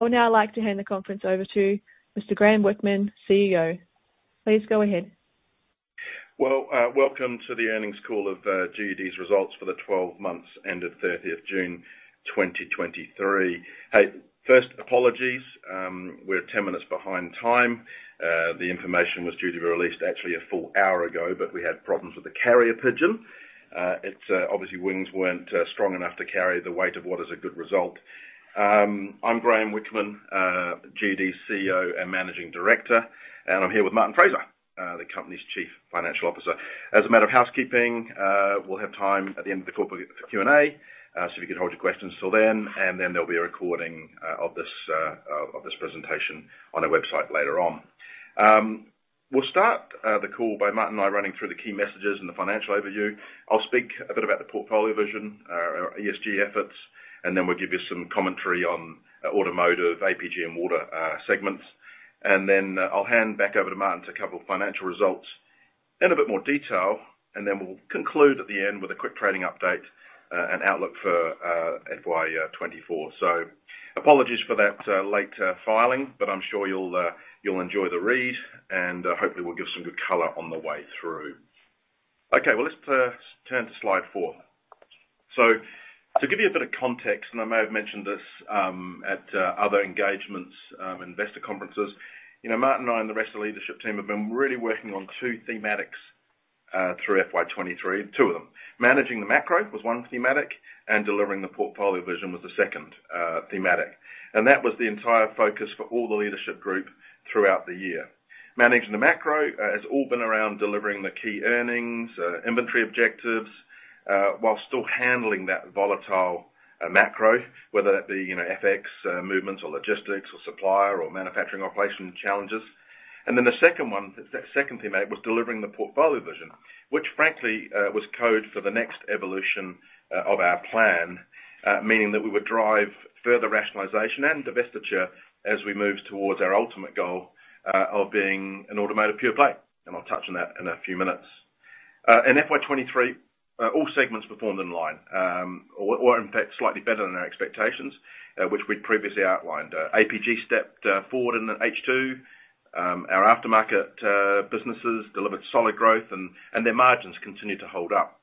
I would now like to hand the conference over to Mr. Graeme Whickman, CEO. Please go ahead. Well, welcome to the earnings call of GUD's results for the 12 months end of 30th June, 2023. Hey, first, apologies, we're 10 minutes behind time. The information was due to be released actually a full hour ago. We had problems with the carrier pigeon. Its obviously wings weren't strong enough to carry the weight of what is a good result. I'm Graeme Whickman, GUD's CEO and Managing Director, and I'm here with Martin Fraser, the company's Chief Financial Officer. As a matter of housekeeping, we'll have time at the end of the call for Q&A, so if you could hold your questions till then, and then there'll be a recording of this presentation on our website later on. We'll start the call by Martin and I running through the key messages and the financial overview. I'll speak a bit about the portfolio vision, our ESG efforts, then we'll give you some commentary on Automotive, APG, and Water segments. Then I'll hand back over to Martin to cover financial results in a bit more detail, then we'll conclude at the end with a quick trading update and outlook for FY 2024. Apologies for that late filing, but I'm sure you'll enjoy the read, and hopefully we'll give some good color on the way through. Okay, well, let's turn to slide 4. To give you a bit of context, and I may have mentioned this, at other engagements, investor conferences, you know, Martin and I, and the rest of the leadership team, have been really working on two thematics through FY 2023, two of them. Managing the macro was one thematic, and delivering the portfolio vision was the second thematic. That was the entire focus for all the leadership group throughout the year. Managing the macro has all been around delivering the key earnings, inventory objectives, while still handling that volatile macro, whether that be, you know, FX movements, or logistics, or supplier, or manufacturing operation challenges. Then the second one, the second thematic, was delivering the portfolio vision, which frankly, was code for the next evolution of our plan. Meaning that we would drive further rationalization and divestiture as we move towards our ultimate goal of being an automotive pure play, and I'll touch on that in a few minutes. In FY 2023, all segments performed in line, or, or in fact, slightly better than our expectations, which we'd previously outlined. APG stepped forward in the H2. Our aftermarket businesses delivered solid growth and, and their margins continued to hold up.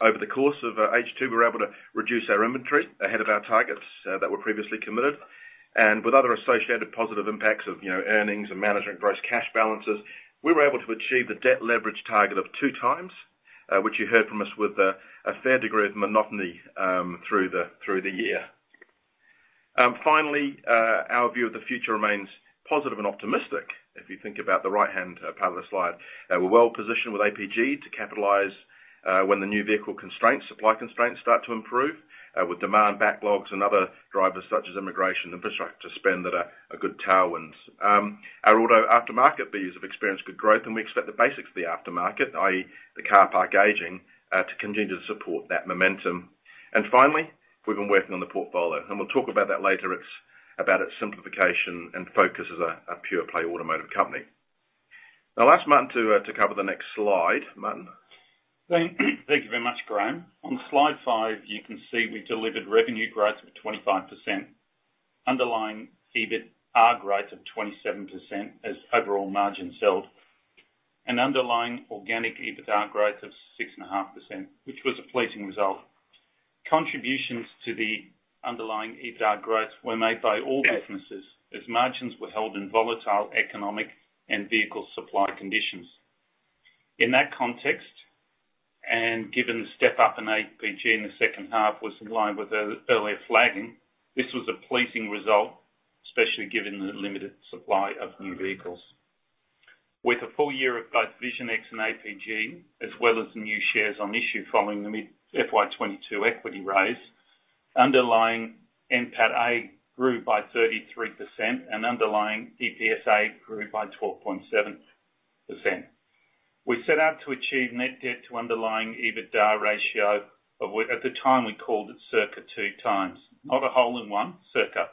Over the course of H2, we were able to reduce our inventory ahead of our targets that were previously committed. With other associated positive impacts of, you know, earnings and managing gross cash balances, we were able to achieve the debt leverage target of 2x, which you heard from us with a fair degree of monotony through the, through the year. Finally, our view of the future remains positive and optimistic, if you think about the right-hand part of the slide. We're well positioned with APG to capitalize when the new vehicle constraints, supply constraints, start to improve with demand backlogs and other drivers such as immigration and infrastructure spend that are good tailwinds. Our auto aftermarket business has experienced good growth, we expect the basics of the aftermarket, i.e., the car park aging, to continue to support that momentum. Finally, we've been working on the portfolio, and we'll talk about that later. It's about its simplification and focus as a pure play automotive company. I'll ask Martin to cover the next slide. Martin? Thank, thank you very much, Graeme. On Slide 5, you can see we delivered revenue growth of 25%, underlying EBIT are growth of 27% as overall margin sales, and underlying organic EBITA growth of 6.5%, which was a pleasing result. Contributions to the underlying EBITA growth were made by all businesses, as margins were held in volatile economic and vehicle supply conditions. In that context, and given the step up in APG in the second half was in line with earlier flagging, this was a pleasing result, especially given the limited supply of new vehicles. With a full year of both Vision X and APG, as well as the new shares on issue following the mid-FY22 equity raise, underlying NPAT A grew by 33% and underlying EPSA grew by 12.7%. We set out to achieve net debt to underlying EBITA ratio of what... At the time, we called it circa 2x. Not a hole-in-one, circa.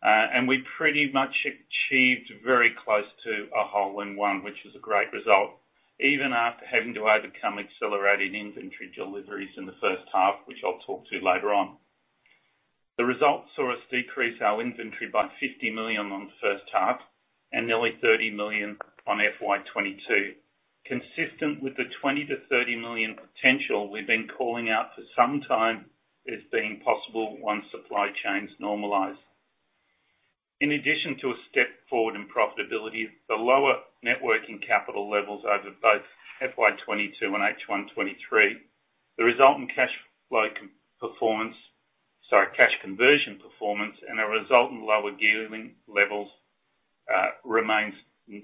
And we pretty much achieved very close to a hole-in-one, which is a great result, even after having to overcome accelerated inventory deliveries in the first half, which I'll talk to later on. The results saw us decrease our inventory by 50 million on the first half, and nearly 30 million on FY22. Consistent with the 20 million-30 million potential we've been calling out for some time, as being possible once supply chains normalize. In addition to a step forward in profitability, the lower net working capital levels over both FY22 and H1 2023, the resultant cash flow conversion performance and a resultant lower gearing levels remains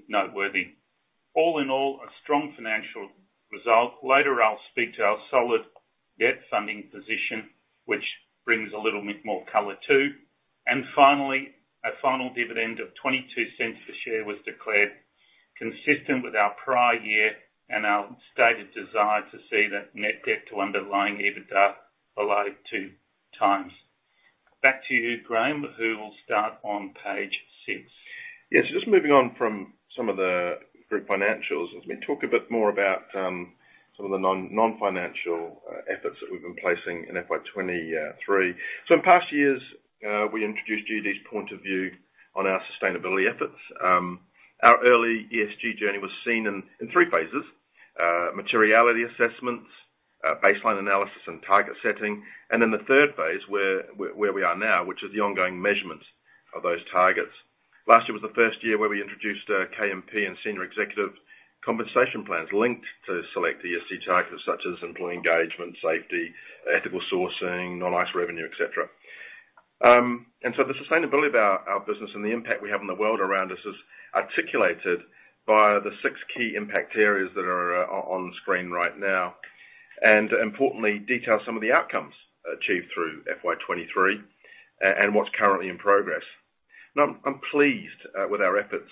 noteworthy. All in all, a strong financial result. Later, I'll speak to our solid debt funding position, which brings a little bit more color, too. Finally, a final dividend of 0.22 per share was declared, consistent with our prior year and our stated desire to see that net debt to underlying EBITA below 2x. Back to you, Graeme, who will start on page six. Yes, just moving on from some of the group financials, as we talk a bit more about some of the non, non-financial efforts that we've been placing in FY 2023. So in past years, we introduced GUD's point of view on our sustainability efforts. Our early ESG journey was seen in three phases: materiality assessments, baseline analysis, and target setting. Then the third phase, where we are now, which is the ongoing measurements of those targets. Last year was the first year where we introduced KMP and senior executive compensation plans linked to select ESG targets, such as employee engagement, safety, ethical sourcing, non-ICE revenue, et cetera. The sustainability of our, our business and the impact we have on the world around us is articulated by the six key impact areas that are on screen right now. Importantly, detail some of the outcomes achieved through FY 2023 and what's currently in progress. I'm pleased with our efforts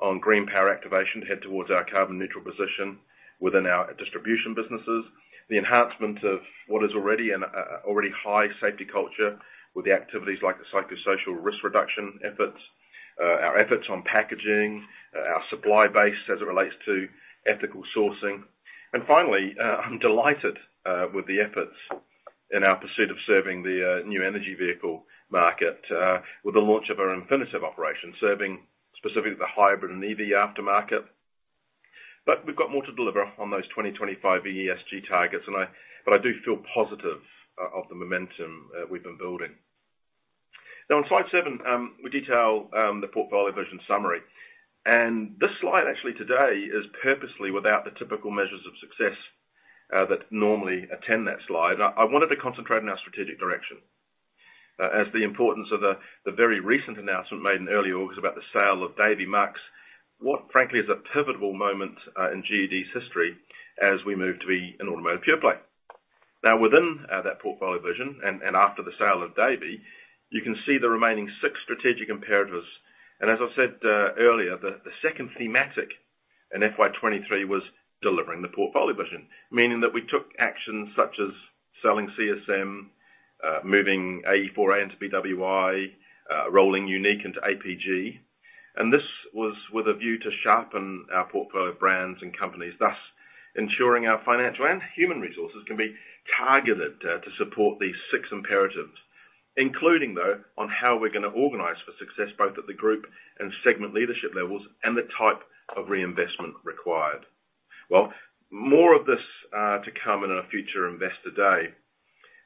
on green power activation to head towards our carbon neutral position within our distribution businesses, the enhancement of what is already an already high safety culture with the activities like the psychosocial risk reduction efforts, our efforts on packaging, our supply base as it relates to ethical sourcing. Finally, I'm delighted with the efforts in our pursuit of serving the new energy vehicle market with the launch of our Infinitev operation, serving specifically the hybrid and EV aftermarket. We've got more to deliver on those 2025 ESG targets, I do feel positive of the momentum we've been building. On slide 7, we detail the portfolio vision summary. This slide actually today is purposely without the typical measures of success that normally attend that slide. I wanted to concentrate on our strategic direction as the importance of the very recent announcement made in early August about the sale of Davey Max, what frankly, is a pivotable moment in GUD's history as we move to be an automotive pure play. Within that portfolio vision and after the sale of Davey, you can see the remaining 6 strategic imperatives. As I said earlier, the second thematic in FY 2023 was delivering the portfolio vision. Meaning that we took actions such as selling CSM, moving A4A into BWI, rolling Unique into APG. This was with a view to sharpen our portfolio of brands and companies, thus ensuring our financial and human resources can be targeted to support these 6 imperatives, including, though, on how we're gonna organize for success, both at the group and segment leadership levels, and the type of reinvestment required. More of this to come in a future Investor Day.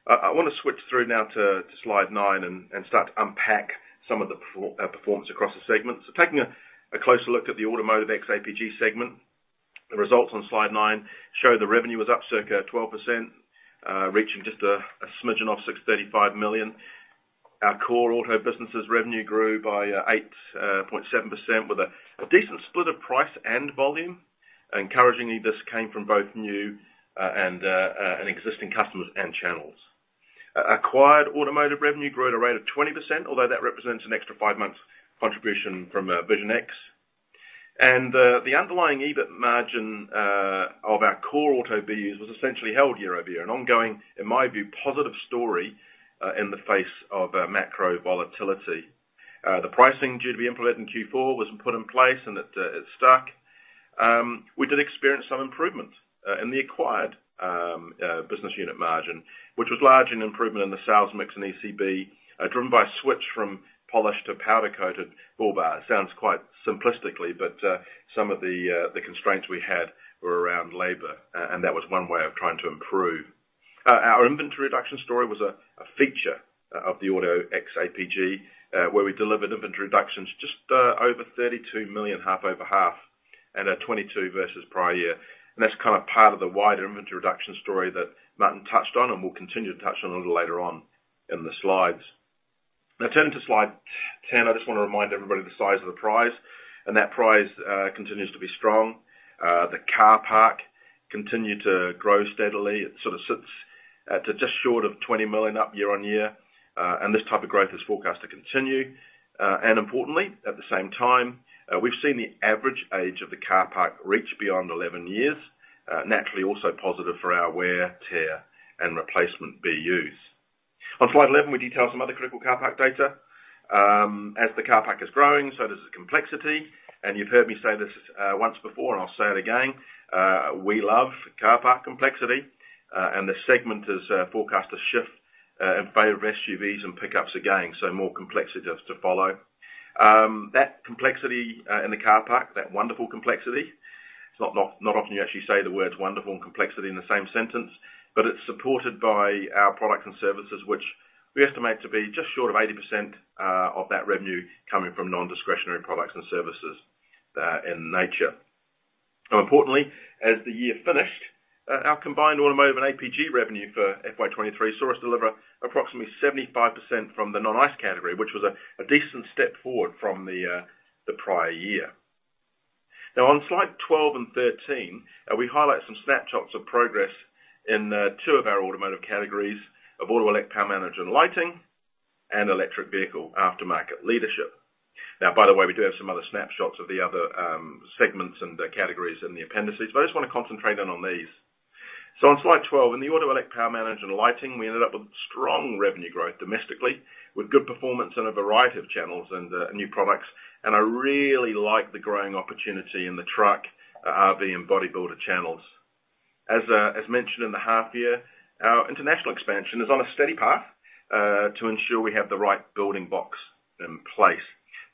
I wanna switch through now to slide 9 and start to unpack some of the performance across the segments. Taking a closer look at the Automotive ex-APG segment, the results on slide 9 show the revenue was up circa 12%, reaching just a smidgen of 635 million. Our core auto businesses' revenue grew by 8.7%, with a decent split of price and volume. Encouragingly, this came from both new and existing customers and channels. Acquired automotive revenue grew at a rate of 20%, although that represents an extra 5 months contribution from Vision X. The underlying EBIT margin of our core auto BUs was essentially held year-over-year, an ongoing, in my view, positive story in the face of macro volatility. The pricing due to be implemented in Q4 was put in place, and it stuck. We did experience some improvement in the acquired business unit margin, which was largely an improvement in the sales mix in ECB, driven by a switch from polished to powder-coated bull bars. Sounds quite simplistically, some of the constraints we had were around labor, and that was one way of trying to improve. Our inventory reduction story was a feature of the Auto ex-APG, where we delivered inventory reductions just over 32 million, half-over-half, and at FY22 versus prior year. That's kind of part of the wider inventory reduction story that Martin Fraser touched on, and we'll continue to touch on a little later on in the slides. Turning to slide 10, I just wanna remind everybody the size of the prize, and that prize continues to be strong. The car park continued to grow steadily. It sort of sits to just short of 20 million, up year on year, and this type of growth is forecast to continue. Importantly, at the same time, we've seen the average age of the car park reach beyond 11 years, naturally also positive for our wear, tear, and replacement BUs. On slide 11, we detail some other critical car park data. As the car park is growing, so does the complexity, and you've heard me say this once before, and I'll say it again, we love car park complexity, and the segment is forecast to shift in favor of SUVs and pickups again, so more complexities to follow. That complexity in the car park, that wonderful complexity, it's not, not, not often you actually say the words "wonderful" and "complexity" in the same sentence, but it's supported by our products and services, which we estimate to be just short of 80% of that revenue coming from non-discretionary products and services in nature. Importantly, as the year finished, our combined automotive and APG revenue for FY 2023 saw us deliver approximately 75% from the non-ICE category, which was a decent step forward from the prior year. On slide 12 and 13, we highlight some snapshots of progress in two of our automotive categories: of auto electric power management and lighting, and electric vehicle aftermarket leadership. By the way, we do have some other snapshots of the other segments and categories in the appendices, but I just wanna concentrate in on these. On slide 12, in the auto electric power management and lighting, we ended up with strong revenue growth domestically, with good performance in a variety of channels and new products. I really like the growing opportunity in the truck, RV, and bodybuilder channels. As mentioned in the half year, our international expansion is on a steady path to ensure we have the right building blocks in place.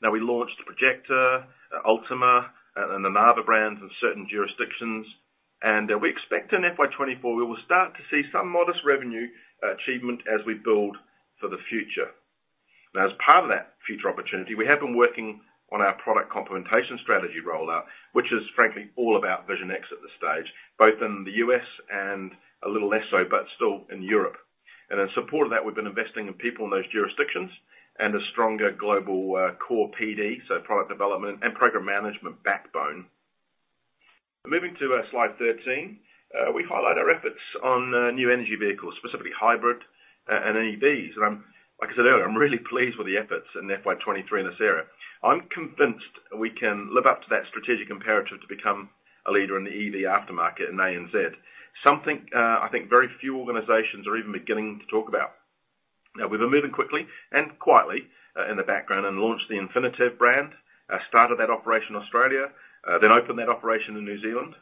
We launched Projecta, Ultima, and the Narva brands in certain jurisdictions, and we expect in FY 2024, we will start to see some modest revenue achievement as we build for the future. Now, as part of that future opportunity, we have been working on our product complementation strategy rollout, which is frankly, all about Vision X at this stage, both in the US and a little less so, but still in Europe. In support of that, we've been investing in people in those jurisdictions and a stronger global core PD, so product development and program management backbone. Moving to slide 13, we highlight our efforts on new energy vehicles, specifically hybrid and NEVs. Like I said earlier, I'm really pleased with the efforts in FY 2023 in this area. I'm convinced we can live up to that strategic imperative to become a leader in the EV aftermarket in ANZ. Something, I think very few organizations are even beginning to talk about. Now, we've been moving quickly and quietly in the background and launched the InfinitEV brand, started that operation in Australia, then opened that operation in New Zealand.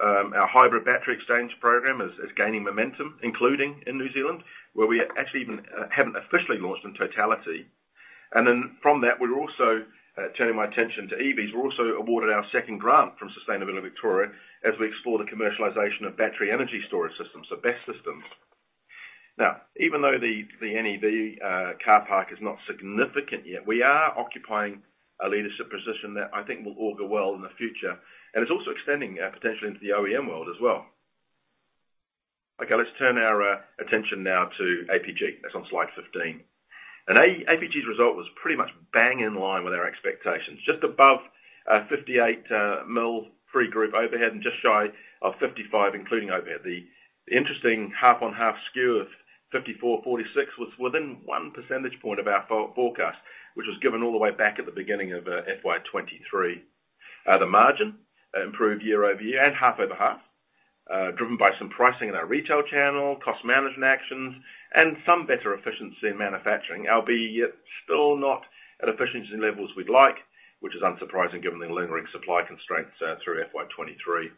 Our hybrid battery exchange program is gaining momentum, including in New Zealand, where we actually even haven't officially launched in totality. Then from that, we're also turning my attention to EVs. We're also awarded our second grant from Sustainability Victoria, as we explore the commercialization of battery energy storage systems, so BESS systems. Now, even though the NEV car park is not significant yet, we are occupying a leadership position that I think will augur well in the future, and it's also extending potentially into the OEM world as well. Okay, let's turn our attention now to APG. That's on slide 15. APG's result was pretty much bang in line with our expectations. Just above 58 million pre-group overhead, and just shy of 55 million, including overhead. The interesting half-on-half skew of 54, 46, was within one percentage point of our forecast, which was given all the way back at the beginning of FY 2023. The margin improved year-over-year and half-over-half, driven by some pricing in our retail channel, cost management actions, and some better efficiency in manufacturing. Albeit, still not at efficiency levels we'd like, which is unsurprising given the lingering supply constraints through FY 2023.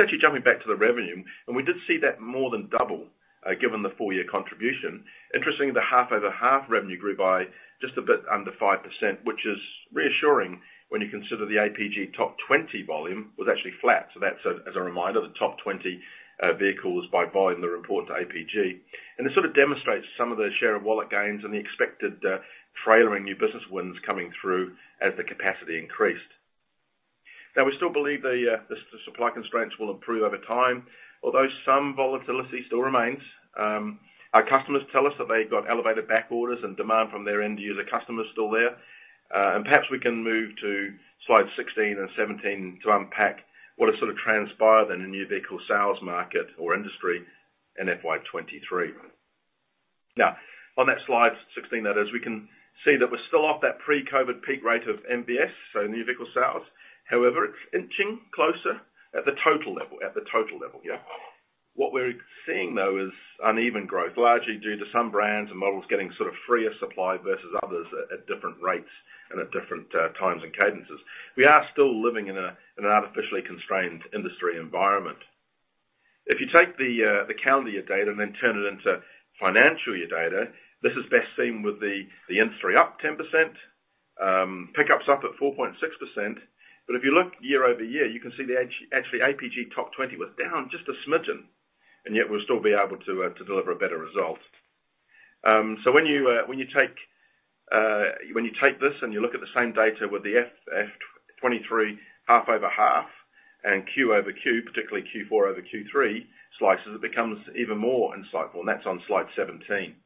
Actually jumping back to the revenue, we did see that more than double, given the full year contribution. Interestingly, the half-over-half revenue grew by just a bit under 5%, which is reassuring when you consider the APG top 20 volume was actually flat. That's, as a reminder, the top 20 vehicles by volume that report to APG. It sort of demonstrates some of the share of wallet gains and the expected, trailering new business wins coming through as the capacity increased. We still believe the supply constraints will improve over time, although some volatility still remains. Our customers tell us that they've got elevated back orders and demand from their end user customers still there. And perhaps we can move to slide 16 and 17 to unpack what has sort of transpired in the new vehicle sales market or industry in FY 2023. Now, on that slide 16, we can see that we're still off that pre-COVID peak rate of NVS, so new vehicle sales. It's inching closer at the total level. At the total level, yeah. What we're seeing, though, is uneven growth, largely due to some brands and models getting sort of freer supply versus others at different rates and at different times and cadences. We are still living in an artificially constrained industry environment. If you take the calendar year data and then turn it into financial year data, this is best seen with the industry up 10%, pickups up at 4.6%. If you look year-over-year, you can see actually, APG top 20 was down just a smidgen, and yet we'll still be able to deliver a better result. When you take this and you look at the same data with the FY 2023, half-over-half, and quarter-over-quarter, particularly Q4 over Q3 slices, it becomes even more insightful, and that's on slide 17.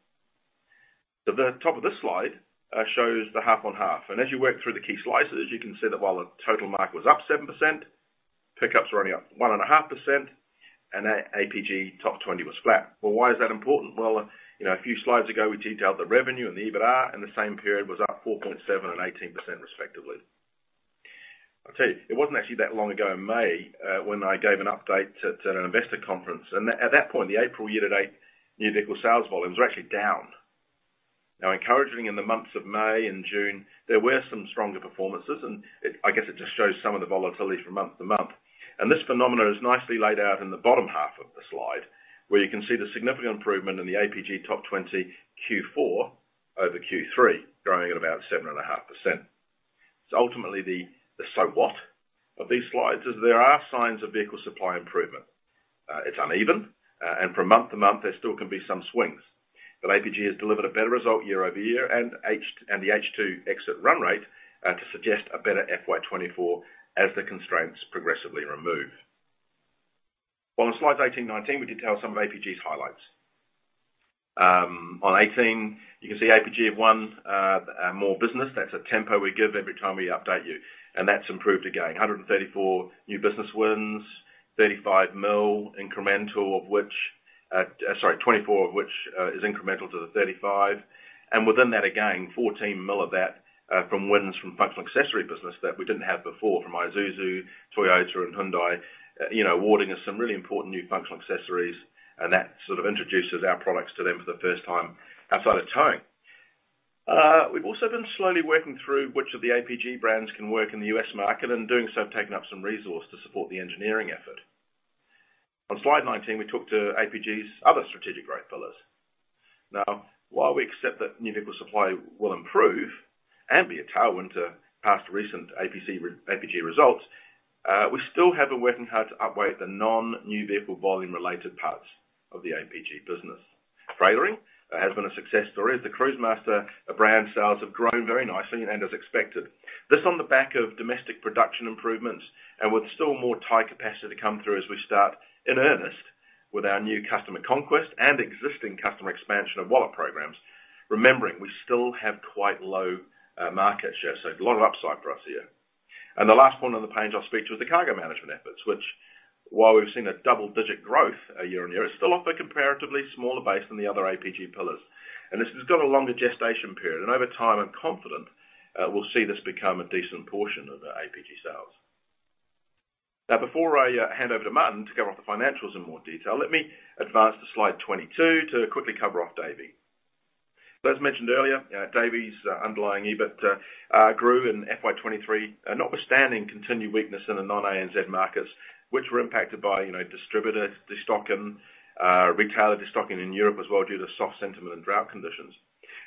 The top of this slide shows the half-on-half, and as you work through the key slices, you can see that while the total market was up 7%, pickups were only up 1.5%, and APG top 20 was flat. Well, why is that important? Well, you know, a few slides ago, we detailed the revenue and the EBITDA, and the same period was up 4.7% and 18%, respectively. I'll tell you, it wasn't actually that long ago, in May, when I gave an update at an investor conference, and at that point, the April year-to-date, new vehicle sales volumes were actually down. Now, encouraging in the months of May and June, there were some stronger performances, and it I guess it just shows some of the volatility from month-to-month. This phenomenon is nicely laid out in the bottom half of the slide, where you can see the significant improvement in the APG top 20 Q4-over-Q3, growing at about 7.5%. Ultimately, the so what of these slides is there are signs of vehicle supply improvement. It's uneven, and from month to month, there still can be some swings. APG has delivered a better result year-over-year and H- and the H2 exit run rate, to suggest a better FY 2024 as the constraints progressively remove. On slides 18, 19, we detail some of APG's highlights. On 18, you can see APG have won, more business. That's a tempo we give every time we update you, and that's improved again. 134 new business wins, 35 million incremental, of which sorry, 24 of which is incremental to the 35 million. Within that, again, 14 million of that, from wins from functional accessory business that we didn't have before, from Isuzu, Toyota, and Hyundai, you know, awarding us some really important new functional accessories, and that sort of introduces our products to them for the first time outside of towing. We've also been slowly working through which of the APG brands can work in the U.S. market, and in doing so, have taken up some resource to support the engineering effort. On Slide 19, we talked to APG's other strategic growth pillars. While we accept that new vehicle supply will improve and be a tailwind to past recent APG results, we still have been working hard to upweight the non-new vehicle volume related parts of the APG business. Trailering, that has been a success story, as the Cruisemaster brand sales have grown very nicely and as expected. This on the back of domestic production improvements, and with still more tire capacity to come through as we start in earnest with our new customer conquest and existing customer expansion of wallet programs, remembering we still have quite low market share, so a lot of upside for us here. The last point on the page I'll speak to is the cargo management efforts, which while we've seen a double-digit growth year-on-year, it's still off a comparatively smaller base than the other APG pillars. This has got a longer gestation period, and over time, I'm confident, we'll see this become a decent portion of the APG sales. Now, before I hand over to Martin to cover off the financials in more detail, let me advance to slide 22 to quickly cover off Davey. As mentioned earlier, Davey's underlying EBIT grew in FY 2023, notwithstanding continued weakness in the non-ANZ markets, which were impacted by, you know, distributor destocking, retailer destocking in Europe as well, due to soft sentiment and drought conditions.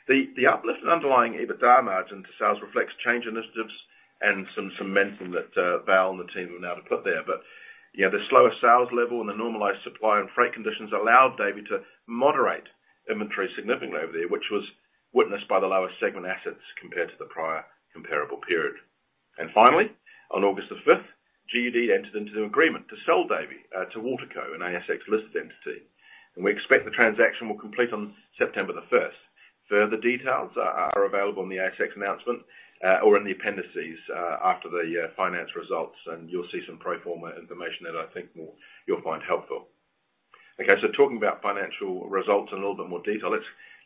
The uplift in underlying EBITDA margin to sales reflects change initiatives and some momentum that Val and the team have now put there. You know, the slower sales level and the normalized supply and freight conditions allowed Davey to moderate inventory significantly over there, which was witnessed by the lower segment assets compared to the prior comparable period. Finally, on August 5th, GUD entered into an agreement to sell Davey to Waterco, an ASX-listed entity. We expect the transaction will complete on September 1st. Further details are available on the ASX announcement or in the appendices after the finance results. You'll see some pro forma information that I think you'll find helpful. Talking about financial results in a little bit more detail,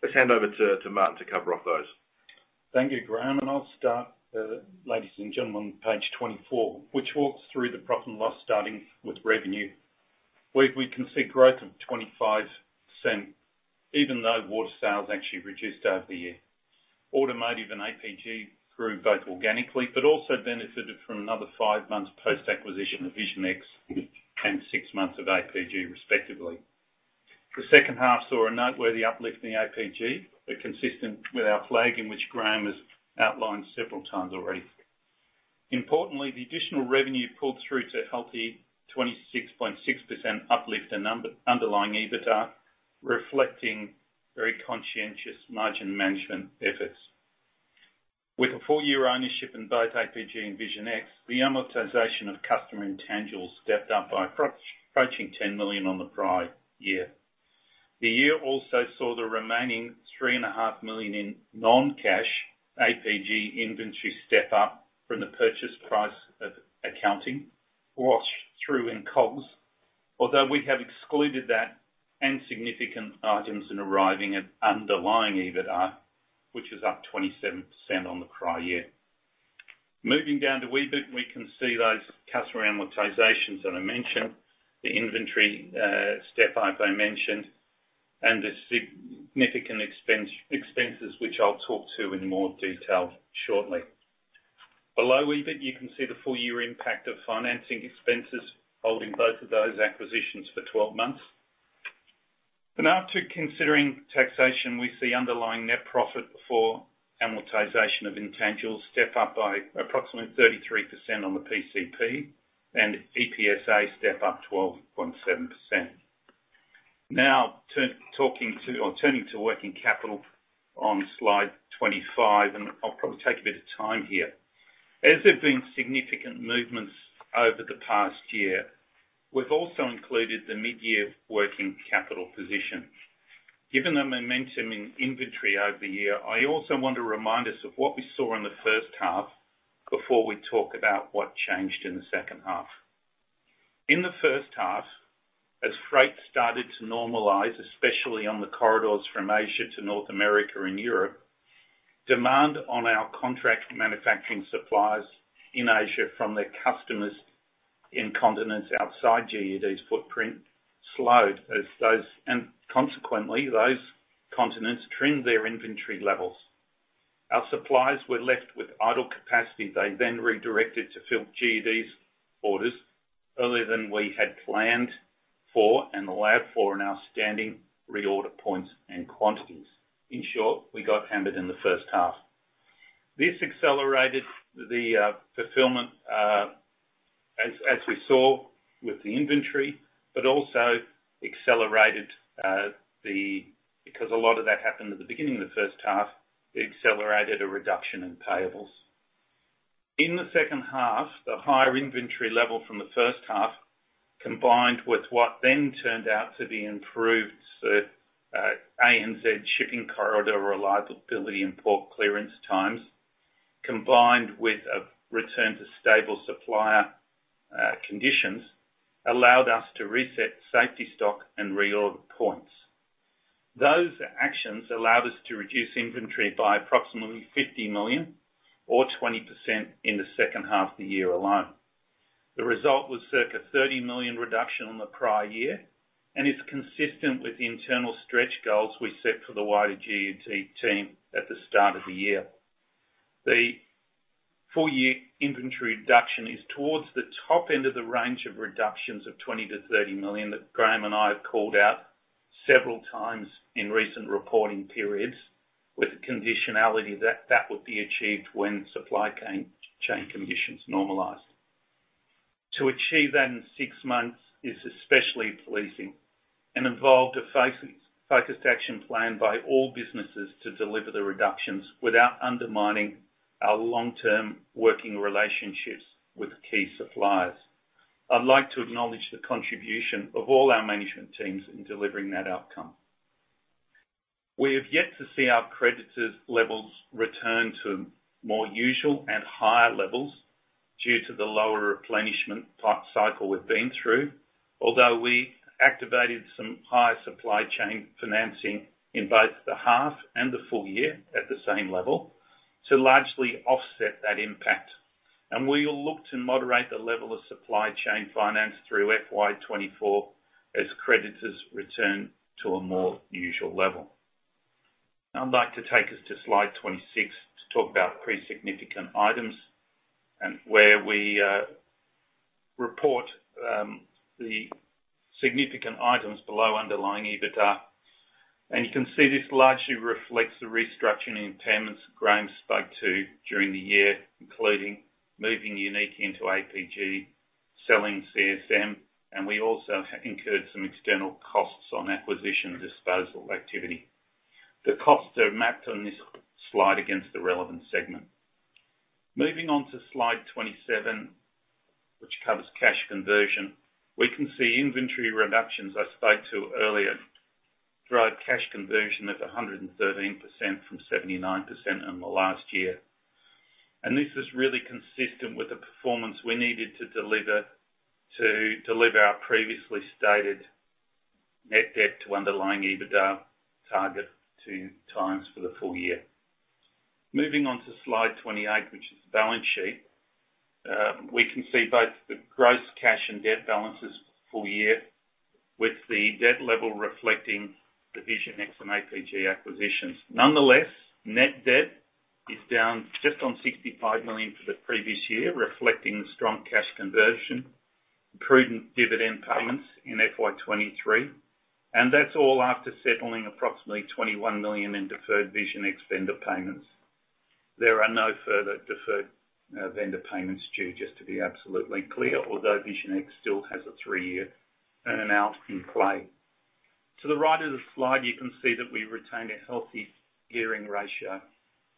let's hand over to Martin to cover off those. Thank you, Graeme, and I'll start, ladies and gentlemen, on page 24, which walks through the profit and loss, starting with revenue. We, we can see growth of 25%, even though water sales actually reduced over the year. Automotive and APG grew both organically, but also benefited from another 5 months post-acquisition of Vision X and 6 months of APG, respectively. The second half saw a noteworthy uplift in the APG, but consistent with our flag, in which Graeme has outlined several times already. Importantly, the additional revenue pulled through to a healthy 26.6% uplift in underlying EBITDA, reflecting very conscientious margin management efforts. With a full year ownership in both APG and Vision X, the amortization of customer intangibles stepped up by approaching 10 million on the prior year. The year also saw the remaining 3.5 million in non-cash APG inventory step up from the purchase price accounting, washed through in COGS. We have excluded that and significant items in arriving at underlying EBITDA, which is up 27% on the prior year. Moving down to EBIT, we can see those customer amortizations that I mentioned, the inventory step-up I mentioned, and the significant expenses, which I'll talk to in more detail shortly. Below EBIT, you can see the full year impact of financing expenses holding both of those acquisitions for 12 months. Now to considering taxation, we see underlying net profit before amortization of intangibles step up by approximately 33% on the PCP and EPSA step up 12.7%. Now, talking to or turning to working capital on slide 25, and I'll probably take a bit of time here. As there've been significant movements over the past year, we've also included the mid-year working capital position. Given the momentum in inventory over the year, I also want to remind us of what we saw in the first half before we talk about what changed in the second half. In the first half, as freight started to normalize, especially on the corridors from Asia to North America and Europe, demand on our contract manufacturing suppliers in Asia, from their customers in continents outside GUD's footprint, slowed. Consequently, those continents trimmed their inventory levels. Our suppliers were left with idle capacity. They then redirected to fill GUD's orders earlier than we had planned for and allowed for in our standing reorder points and quantities. In short, we got handed in the first half. This accelerated the fulfillment, as, as we saw with the inventory, but also accelerated because a lot of that happened at the beginning of the first half, it accelerated a reduction in payables. In the second half, the higher inventory level from the first half, combined with what then turned out to be improved ANZ shipping corridor reliability and port clearance times combined with a return to stable supplier conditions, allowed us to reset safety stock and reorder points. Those actions allowed us to reduce inventory by approximately 50 million or 20% in the second half of the year alone. The result was circa 30 million reduction on the prior year, and is consistent with the internal stretch goals we set for the wider GAT team at the start of the year. The full year inventory reduction is towards the top end of the range of reductions of 20 million-30 million, that Graeme and I have called out several times in recent reporting periods, with the conditionality that that would be achieved when supply chain conditions normalize. To achieve that in six months is especially pleasing and involved a focused action plan by all businesses to deliver the reductions without undermining our long-term working relationships with key suppliers. I'd like to acknowledge the contribution of all our management teams in delivering that outcome. We have yet to see our creditors levels return to more usual and higher levels due to the lower replenishment type cycle we've been through, although we activated some higher supply chain financing in both the half and the full year at the same level, to largely offset that impact. We will look to moderate the level of supply chain finance through FY 2024, as creditors return to a more usual level. I'd like to take us to slide 26 to talk about pre-significant items and where we report the significant items below underlying EBITDA. You can see this largely reflects the restructuring impairments Graeme spoke to during the year, including moving Unique into APG, selling CSM, and we also incurred some external costs on acquisition and disposal activity. The costs are mapped on this slide against the relevant segment. Moving on to slide 27, which covers cash conversion, we can see inventory reductions I spoke to earlier, drive cash conversion at 113% from 79% in the last year. This is really consistent with the performance we needed to deliver to deliver our previously stated net debt to underlying EBITDA target 2x for the full year. Moving on to slide 28, which is balance sheet. We can see both the gross cash and debt balances full year, with the debt level reflecting the Vision X and APG acquisitions. Nonetheless, net debt is down just on 65 million for the previous year, reflecting the strong cash conversion, prudent dividend payments in FY 2023, and that's all after settling approximately 21 million in deferred Vision X vendor payments. There are no further deferred vendor payments due, just to be absolutely clear, although Vision X still has a 3-year earn-out in play. To the right of the slide, you can see that we've retained a healthy gearing ratio.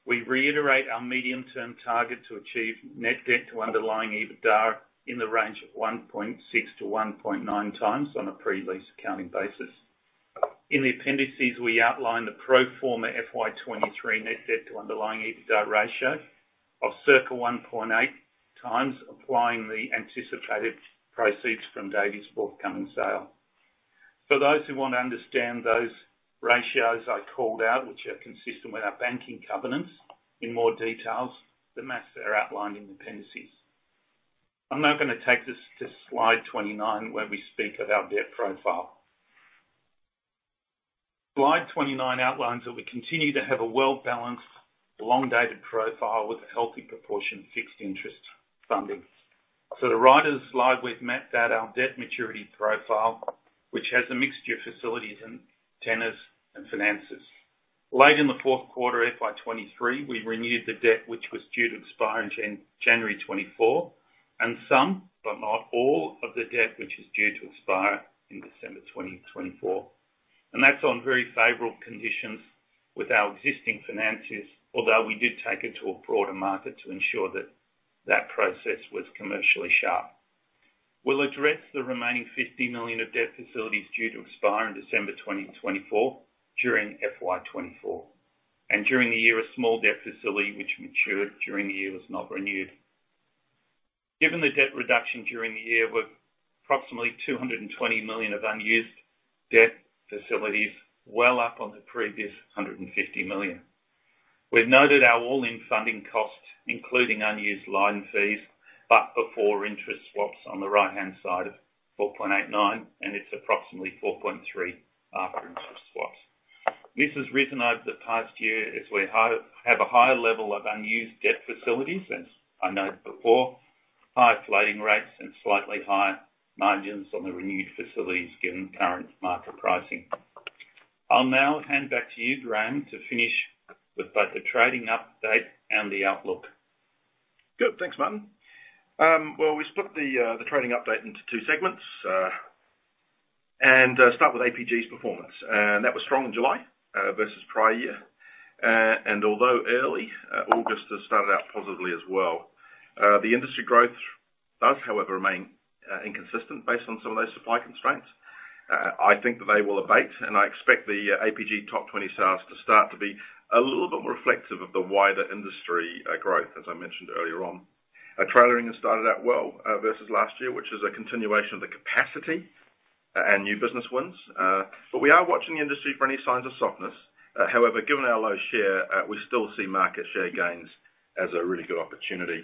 We reiterate our medium-term target to achieve net debt to underlying EBITDA in the range of 1.6x-1.9x on a pre-lease accounting basis. In the appendices, we outline the pro forma FY 2023 net debt to underlying EBITDA ratio of circa 1.8x, applying the anticipated proceeds from Davey's forthcoming sale. For those who want to understand those ratios I called out, which are consistent with our banking covenants in more details, the maths are outlined in appendices. I'm now gonna take us to slide 29, where we speak of our debt profile. Slide 29 outlines that we continue to have a well-balanced, long-dated profile with a healthy proportion of fixed interest funding. The right of the slide, we've mapped out our debt maturity profile, which has a mixture of facilities and tenors and finances. Late in the fourth quarter, FY 2023, we renewed the debt, which was due to expire in January 2024, and some, but not all, of the debt, which is due to expire in December 2024. That's on very favorable conditions with our existing financiers, although we did take it to a broader market to ensure that that process was commercially sharp. We'll address the remaining 50 million of debt facilities due to expire in December 2024, during FY 2024. During the year, a small debt facility, which matured during the year, was not renewed. Given the debt reduction during the year, with approximately 220 million of unused debt facilities, well up on the previous 150 million. We've noted our all-in funding costs, including unused line fees, but before interest swaps on the right-hand side of 4.89%, and it's approximately 4.3% after interest swaps. This has risen over the past year as we have a higher level of unused debt facilities, as I noted before, higher floating rates and slightly higher margins on the renewed facilities, given current market pricing. I'll now hand back to you, Graeme, to finish with both the trading update and the outlook. Good. Thanks, Martin. Well, we split the trading update into two segments and start with APG's performance. That was strong in July versus prior year. Although early August has started out positively as well. The industry growth does however, remain inconsistent based on some of those supply constraints. I think that they will abate, and I expect the APG top 20 sales to start to be a little bit more reflective of the wider industry growth, as I mentioned earlier on. Our trailering has started out well versus last year, which is a continuation of the capacity and new business wins. We are watching the industry for any signs of softness. However, given our low share, we still see market share gains as a really good opportunity.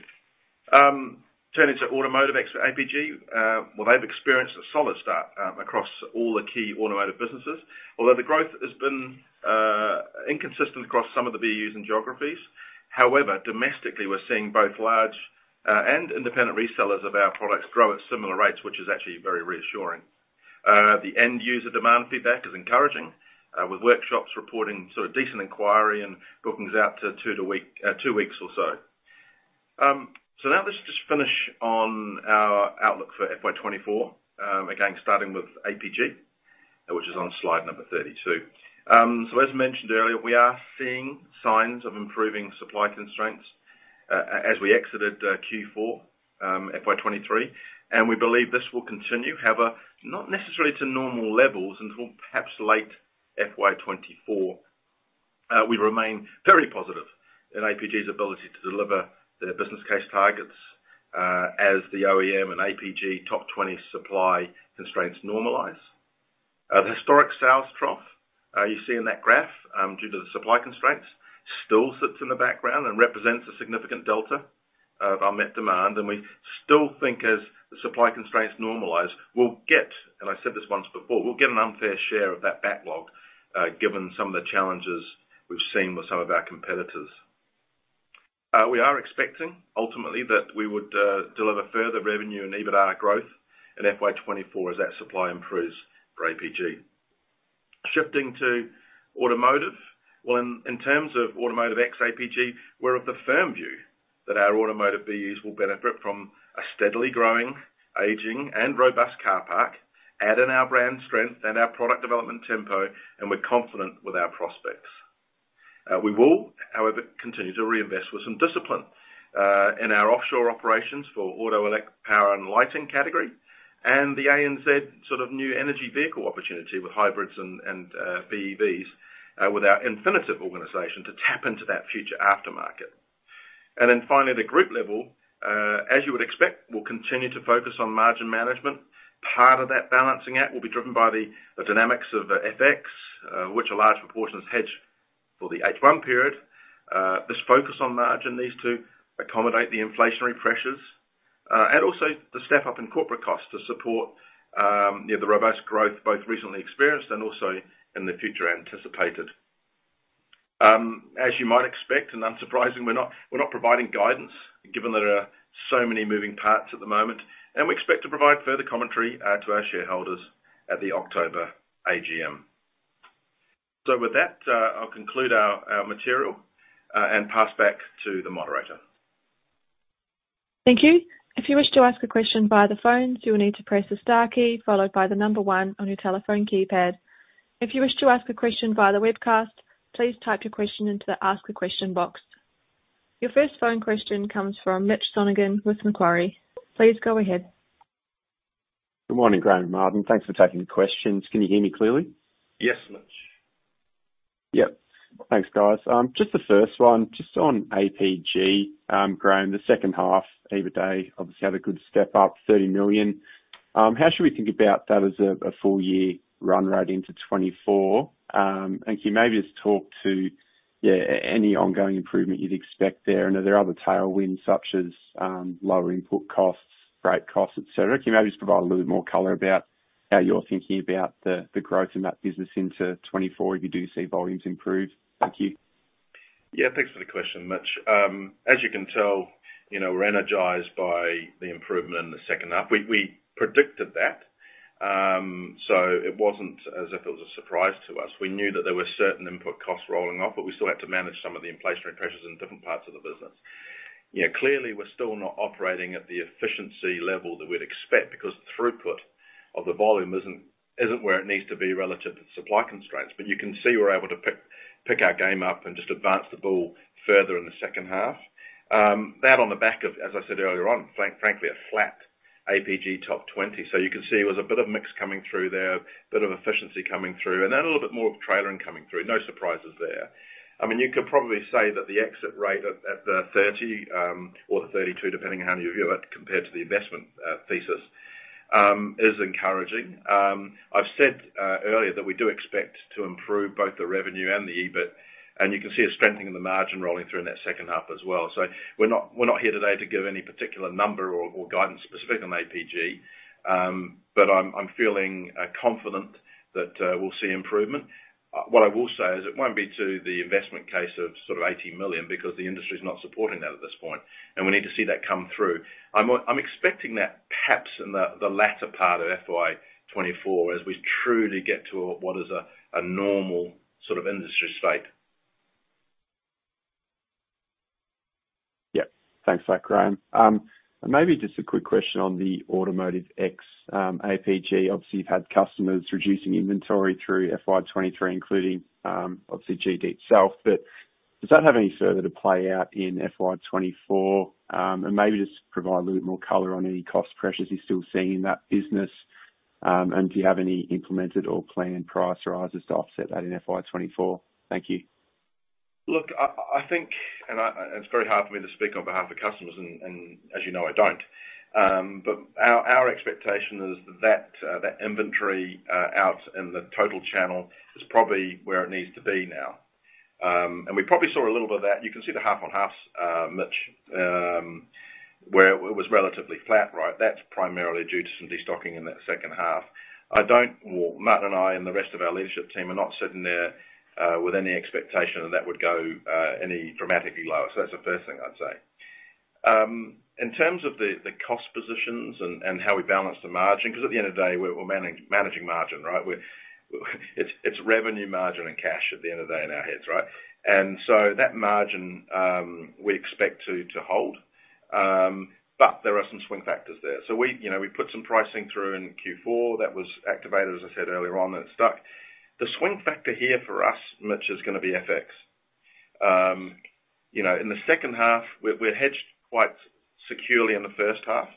Turning to Automotive ex APG, well, they've experienced a solid start across all the key automotive businesses. Although the growth has been inconsistent across some of the BUs and geographies, however, domestically, we're seeing both large and independent resellers of our products grow at similar rates, which is actually very reassuring. The end user demand feedback is encouraging, with workshops reporting sort of decent inquiry and bookings out to 2 to week, 2 weeks or so. Now let's just finish on our outlook for FY 2024. Again, starting with APG, which is on slide number 32. As mentioned earlier, we are seeing signs of improving supply constraints as we exited Q4 FY 2023, and we believe this will continue. However, not necessarily to normal levels, until perhaps late FY 2024. We remain very positive in APG's ability to deliver their business case targets as the OEM and APG top 20 supply constraints normalize. The historic sales trough you see in that graph due to the supply constraints, still sits in the background and represents a significant delta of unmet demand. We still think as the supply constraints normalize, we'll get, and I said this once before, we'll get an unfair share of that backlog given some of the challenges we've seen with some of our competitors. We are expecting, ultimately, that we would deliver further revenue and EBITDA growth in FY 2024 as that supply improves for APG. Shifting to Automotive. Well, in terms of Automotive ex APG, we're of the firm view that our Automotive BUs will benefit from a steadily growing, aging, and robust car pack, add in our brand strength and our product development tempo, and we're confident with our prospects. We will, however, continue to reinvest with some discipline in our offshore operations for auto elect, power and lighting category, and the ANZ sort of new energy vehicle opportunity with hybrids and BEVs with our Infinitev organization to tap into that future aftermarket. Then finally, the group level, as you would expect, will continue to focus on margin management. Part of that balancing act will be driven by the dynamics of the FX, which a large proportion is hedged for the H1 period. This focus on margin needs to accommodate the inflationary pressures, and also the step up in corporate costs to support, yeah, the robust growth, both recently experienced and also in the future, anticipated. As you might expect, and unsurprisingly, we're not, we're not providing guidance, given there are so many moving parts at the moment, and we expect to provide further commentary to our shareholders at the October AGM. With that, I'll conclude our, our material, and pass back to the moderator. Thank you. If you wish to ask a question via the phones, you will need to press the star key followed by the 1 on your telephone keypad. If you wish to ask a question via the webcast, please type your question into the Ask a Question box. Your first phone question comes from Mitch Sonogan with Macquarie. Please go ahead. Good morning, Graeme and Martin. Thanks for taking the questions. Can you hear me clearly? Yes, Mitch. Yep. Thanks, guys. Just the first one, just on APG. Graeme, the second half, EBITDA obviously had a good step up, 30 million. How should we think about that as a full year run rate into 2024? Can you maybe just talk to any ongoing improvement you'd expect there, and are there other tailwinds such as lower input costs, freight costs, et cetera? Can you maybe just provide a little bit more color about how you're thinking about the growth in that business into 2024, if you do see volumes improve? Thank you. Yeah, thanks for the question, Mitch. As you can tell, you know, we're energized by the improvement in the second half. We, we predicted that, so it wasn't as if it was a surprise to us. We knew that there were certain input costs rolling off, but we still had to manage some of the inflationary pressures in different parts of the business. You know, clearly, we're still not operating at the efficiency level that we'd expect, because throughput of the volume isn't, isn't where it needs to be relative to supply constraints. But you can see we're able to pick, pick our game up and just advance the ball further in the second half. That on the back of, as I said earlier on, frankly, a flat APG top twenty. You can see there was a bit of mix coming through there, a bit of efficiency coming through, and then a little bit more trailering coming through. No surprises there. I mean, you could probably say that the exit rate at, at the 30, or the 32, depending on how you view it, compared to the investment thesis, is encouraging. I've said earlier, that we do expect to improve both the revenue and the EBIT, and you can see a strengthening in the margin rolling through in that second half as well. We're not, we're not here today to give any particular number or guidance specific on APG, but I'm, I'm feeling confident that we'll see improvement. What I will say is it won't be to the investment case of sort of 80 million, because the industry is not supporting that at this point, and we need to see that come through. I'm expecting that perhaps in the, the latter part of FY 2024, as we truly get to a, what is a, a normal sort of industry state. Yeah. Thanks for that, Graeme. Maybe just a quick question on the Automotive ex, APG. Obviously, you've had customers reducing inventory through FY 2023, including, obviously GUD itself, but-... Does that have any further to play out in FY 2024? Maybe just provide a little bit more color on any cost pressures you're still seeing in that business. Do you have any implemented or planned price rises to offset that in FY 2024? Thank you. Look, I, I think, and it's very hard for me to speak on behalf of customers, and, as you know, I don't. Our, our expectation is that inventory out in the total channel is probably where it needs to be now. We probably saw a little bit of that. You can see the half-on-half, Mitch, where it was relatively flat, right? That's primarily due to some destocking in that second half. Well, Matt and I, and the rest of our leadership team, are not sitting there with any expectation that that would go any dramatically lower. That's the first thing I'd say. In terms of the, the cost positions and, and how we balance the margin, 'cause at the end of the day, we're, we're managing margin, right? We're, it's, it's revenue, margin, and cash at the end of the day in our heads, right? That margin, we expect to hold. There are some swing factors there. We, you know, we put some pricing through in Q4 that was activated, as I said earlier on, and it stuck. The swing factor here for us, Mitch, is gonna be FX. You know, in the second half, we're, we're hedged quite securely in the first half.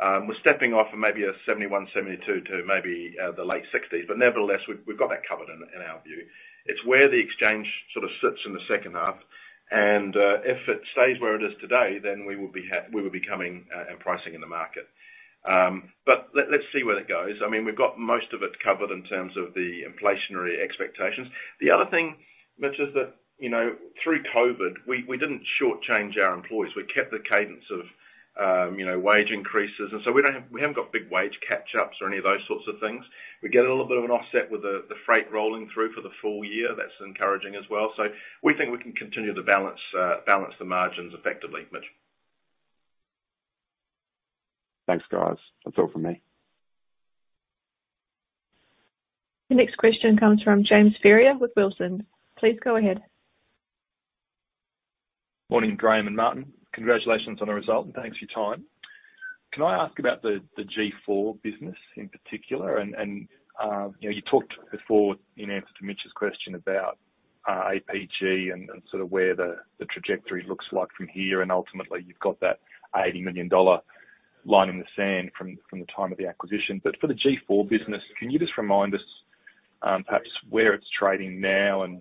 We're stepping off of maybe a 71, 72 to maybe the late 60s, but nevertheless, we've, we've got that covered in, in our view. It's where the exchange sort of sits in the second half, and if it stays where it is today, then we will be we will be coming and pricing in the market. Let, let's see where that goes. I mean, we've got most of it covered in terms of the inflationary expectations. The other thing, Mitch, is that, you know, through COVID, we, we didn't shortchange our employees. We kept the cadence of, you know, wage increases, and we haven't got big wage catch-ups or any of those sorts of things. We get a little bit of an offset with the, the freight rolling through for the full year. That's encouraging as well. We think we can continue to balance, balance the margins effectively, Mitch. Thanks, guys. That's all for me. The next question comes from James Ferrier with Wilsons. Please go ahead. Morning, Graeme and Martin. Congratulations on the result, and thanks for your time. Can I ask about the G4 business in particular? You know, you talked before in answer to Mitch's question about APG and sort of where the trajectory looks like from here, and ultimately you've got that 80 million dollar line in the sand from the time of the acquisition. For the G4 business, can you just remind us, perhaps where it's trading now and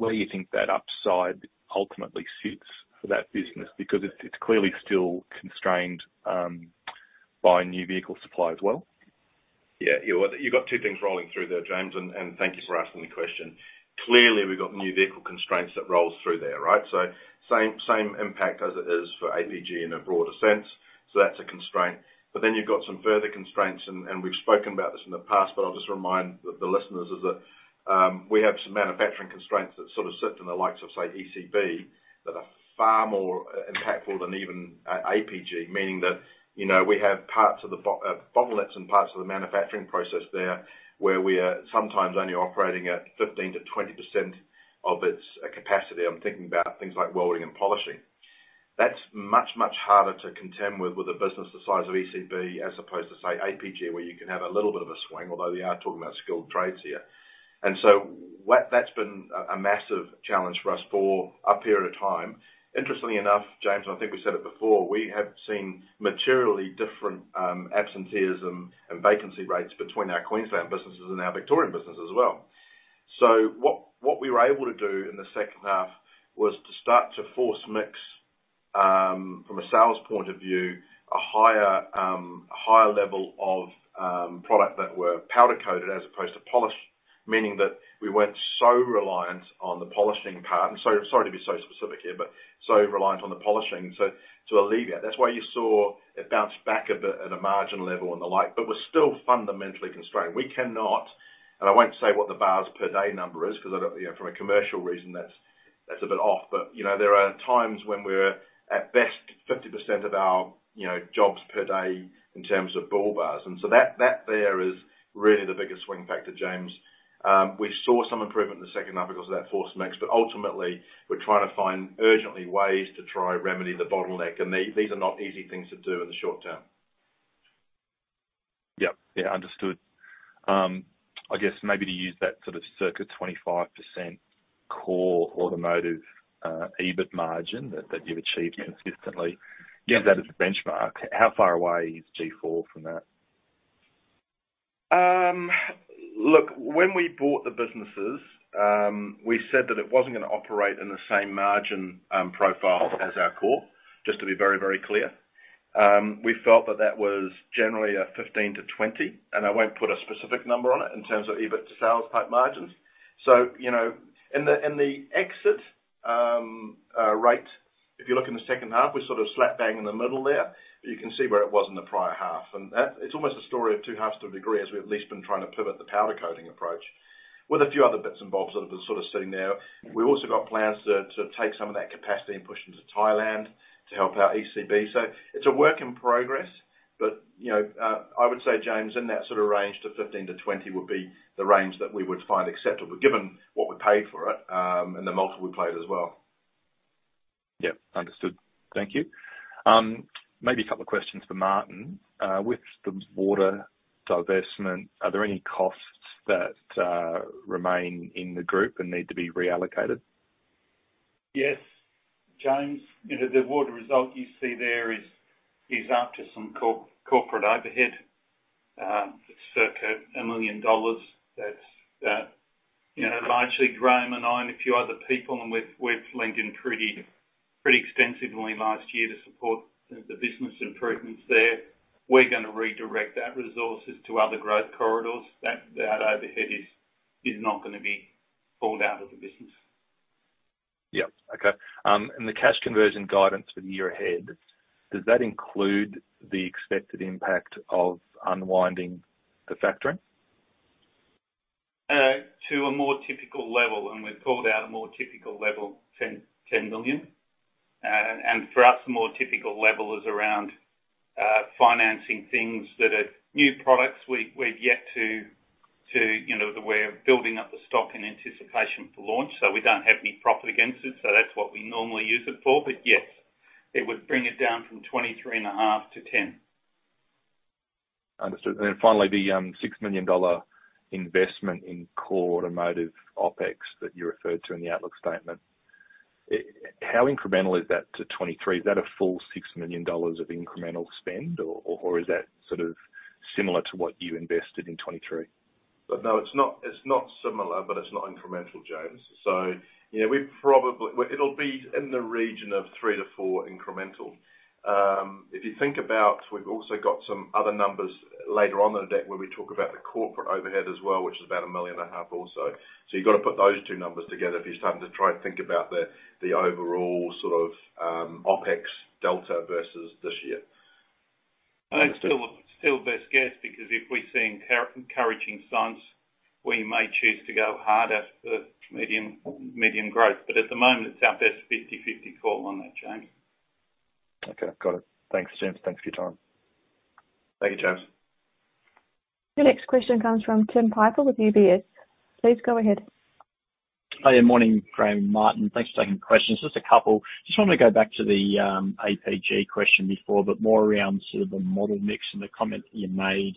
where you think that upside ultimately sits for that business? Because it's clearly still constrained by new vehicle supply as well. Yeah. You, you got two things rolling through there, James, and, and thank you for asking the question. Clearly, we've got new vehicle constraints that rolls through there, right? Same, same impact as it is for APG in a broader sense, so that's a constraint. Then you've got some further constraints, and, and we've spoken about this in the past, but I'll just remind the, the listeners, is that, we have some manufacturing constraints that sort of sit in the likes of, say, ECB, that are far more impactful than even APG. Meaning that, you know, we have parts of the bottlenecks and parts of the manufacturing process there, where we are sometimes only operating at 15%-20% of its capacity. I'm thinking about things like welding and polishing. That's much, much harder to contend with with a business the size of ECB, as opposed to, say, APG, where you can have a little bit of a swing, although we are talking about skilled trades here. That's been a massive challenge for us for a period of time. Interestingly enough, James, and I think we said it before, we have seen materially different absenteeism and vacancy rates between our Queensland businesses and our Victorian businesses as well. What we were able to do in the second half was to start to force mix from a sales point of view, a higher, a higher level of product that were powder coated as opposed to polished, meaning that we weren't so reliant on the polishing part. Sorry, sorry to be so specific here, so reliant on the polishing, so, so alleviate. That's why you saw it bounce back a bit at a margin level and the like, but we're still fundamentally constrained. We cannot, and I won't say what the bars per day number is, 'cause I don't, you know, from a commercial reason, that's, that's a bit off. You know, there are times when we're at best 50% of our, you know, jobs per day in terms of ball bars. So that, that there is really the biggest swing factor, James. We saw some improvement in the second half because of that force mix, but ultimately, we're trying to find, urgently, ways to try and remedy the bottleneck. These are not easy things to do in the short term. Yep. Yeah, understood. I guess maybe to use that sort of circa 25% core automotive EBIT margin that, that you've achieved consistently. Yeah. use that as a benchmark, how far away is G4 from that? Look, when we bought the businesses, we said that it wasn't gonna operate in the same margin profile as our core, just to be very, very clear. We felt that that was generally a 15% to 20%, and I won't put a specific number on it in terms of EBIT sales type margins. You know, in the, in the exit rate, if you look in the second half, we're sort of slap bang in the middle there. You can see where it was in the prior half, and that, it's almost a story of two halves to a degree, as we've at least been trying to pivot the powder coating approach, with a few other bits and bobs that have been sort of sitting there. We've also got plans to, to take some of that capacity and push into Thailand to help our ECB. It's a work in progress, but, you know, I would say, James, in that sort of range to 15-20 would be the range that we would find acceptable, given what we paid for it, and the multiple we paid as well. Yep, understood. Thank you. Maybe a couple of questions for Martin. With the water divestment, are there any costs that remain in the group and need to be reallocated? Yes, James. You know, the water result you see there is, is after some corporate overhead, circa 1 million dollars. That's, you know, largely Graeme and I, and a few other people, and we've, we've leaned in pretty, pretty extensively last year to support the business improvements there. We're gonna redirect that resources to other growth corridors, that, that overhead is, is not gonna be pulled out of the business. Yep. Okay. The cash conversion guidance for the year ahead, does that include the expected impact of unwinding the factoring? To a more typical level, and we've called out a more typical level, 10 million. For us, a more typical level is around financing things that are new products. We've yet to, you know, the way of building up the stock in anticipation for launch, so we don't have any profit against it. That's what we normally use it for. Yes, it would bring it down from 23.5 million to 10 million. Understood. Then finally, the 6 million dollar investment in core automotive OpEx that you referred to in the outlook statement. How incremental is that to 2023? Is that a full 6 million dollars of incremental spend, or, or is that sort of similar to what you invested in 2023? No, it's not, it's not similar, but it's not incremental, James. We probably, it'll be in the region of 3-4 incremental. If you think about, we've also got some other numbers later on in the deck where we talk about the corporate overhead as well, which is about 1.5 million also. You've got to put those two numbers together if you're starting to try and think about the, the overall sort of, OpEx delta versus this year. It's still, still best guess, because if we're seeing encouraging signs, we may choose to go harder for medium, medium growth. At the moment, it's our best 50/50 call on that, James. Okay, got it. Thanks, James. Thanks for your time. Thank you, James. Your next question comes from Tim Plumbe with UBS. Please go ahead. Hi there. Morning, Graeme and Martin. Thanks for taking the questions. Just a couple. Just want to go back to the APG question before, but more around sort of the model mix and the comment you made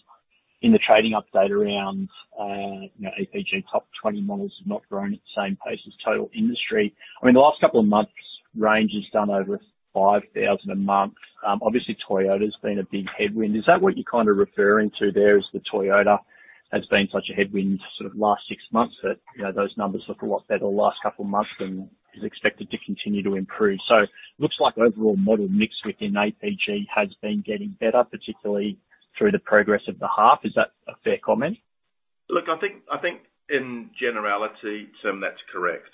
in the trading update around, you know, APG top 20 models have not grown at the same pace as total industry. I mean, the last couple of months, range has done over 5,000 a month. Obviously, Toyota's been a big headwind. Is that what you're kind of referring to there, is the Toyota has been such a headwind sort of last 6 months, that, you know, those numbers look a lot better the last couple of months and is expected to continue to improve? Looks like overall model mix within APG has been getting better, particularly through the progress of the half. Is that a fair comment? Look, I think, I think in generality, Tim, that's correct.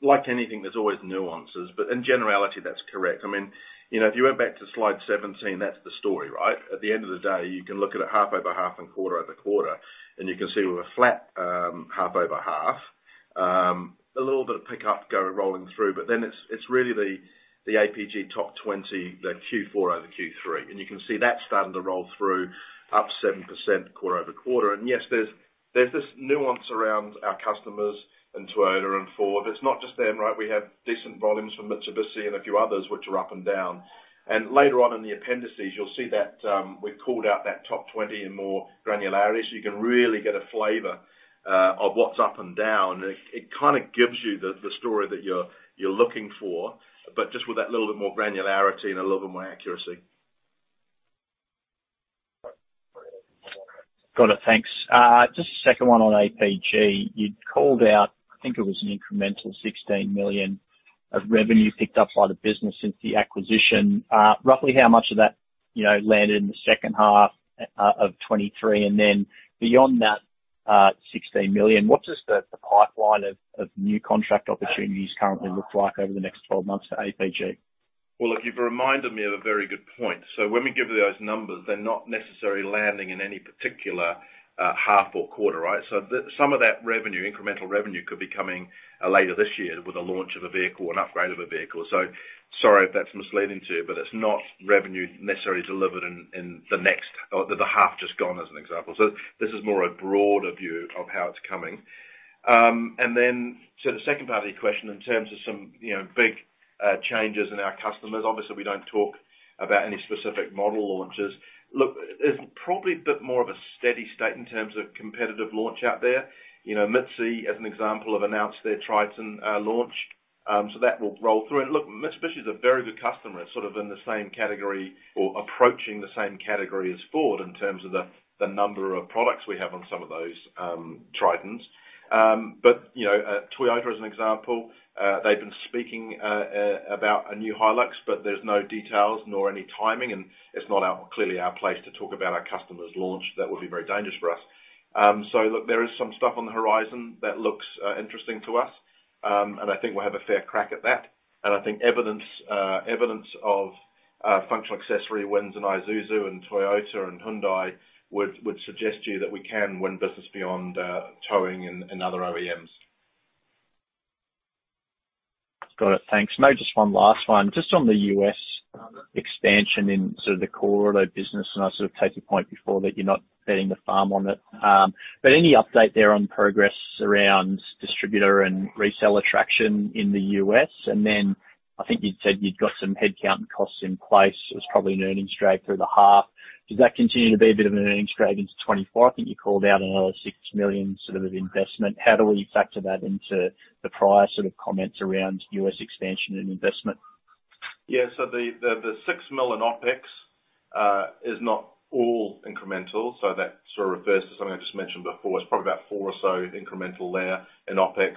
Like anything, there's always nuances, but in generality, that's correct. I mean, you know, if you went back to slide 17, that's the story, right? At the end of the day, you can look at it half-over-half and quarter-over-quarter, and you can see with a flat, half-over-half, a little bit of pickup rolling through, but then it's, it's really the APG top 20, the Q4 over Q3, and you can see that starting to roll through up 7% quarter-over-quarter. Yes, there's, there's this nuance around our customers and Toyota and Ford. It's not just them, right? We have decent volumes from Mitsubishi and a few others, which are up and down. Later on in the appendices, you'll see that we've called out that top 20 in more granularity, so you can really get a flavor of what's up and down. It, it kind of gives you the, the story that you're, you're looking for, but just with that little bit more granularity and a little bit more accuracy. Got it. Thanks. Just a second one on APG. You'd called out, I think it was an incremental 16 million of revenue picked up by the business since the acquisition. Roughly how much of that, you know, landed in the second half of 2023? Then beyond that, 16 million, what does the pipeline of new contract opportunities currently look like over the next 12 months to APG? Well, look, you've reminded me of a very good point. When we give you those numbers, they're not necessarily landing in any particular half or quarter, right? The-- some of that revenue, incremental revenue, could be coming later this year with a launch of a vehicle, an upgrade of a vehicle. Sorry if that's misleading to you, but it's not revenue necessarily delivered in, in the next or the half just gone, as an example. This is more a broader view of how it's coming. And then, the second part of your question, in terms of some, you know, big changes in our customers, obviously, we don't talk about any specific model launches. Look, it's probably a bit more of a steady state in terms of competitive launch out there. You know, Mitsi, as an example, have announced their Triton launch that will roll through. Look, Mitsubishi is a very good customer. It's sort of in the same category or approaching the same category as Ford in terms of the number of products we have on some of those Tritons. You know, Toyota, as an example, they've been speaking about a new Hilux, there's no details nor any timing, it's not clearly our place to talk about our customer's launch. That would be very dangerous for us. Look, there is some stuff on the horizon that looks interesting to us, I think we'll have a fair crack at that. I think evidence, evidence of functional accessory wins in Isuzu and Toyota and Hyundai would, would suggest to you that we can win business beyond, towing and other OEMs. Got it. Thanks. Maybe just one last one, just on the U.S. expansion in sort of the core auto business, and I sort of take your point before that you're not betting the farm on it. But any update there on progress around distributor and reseller traction in the U.S.? And then I think you'd said you'd got some headcount and costs in place. It was probably an earnings drag through the half. Does that continue to be a bit of an earnings drag into 2024? I think you called out another 6 million sort of investment. How do we factor that into the prior sort of comments around U.S. expansion and investment? Yeah, the, the, the 6 million in OpEx is not all incremental, so that sort of refers to something I just mentioned before. It's probably about 4 or so incremental there in OpEx,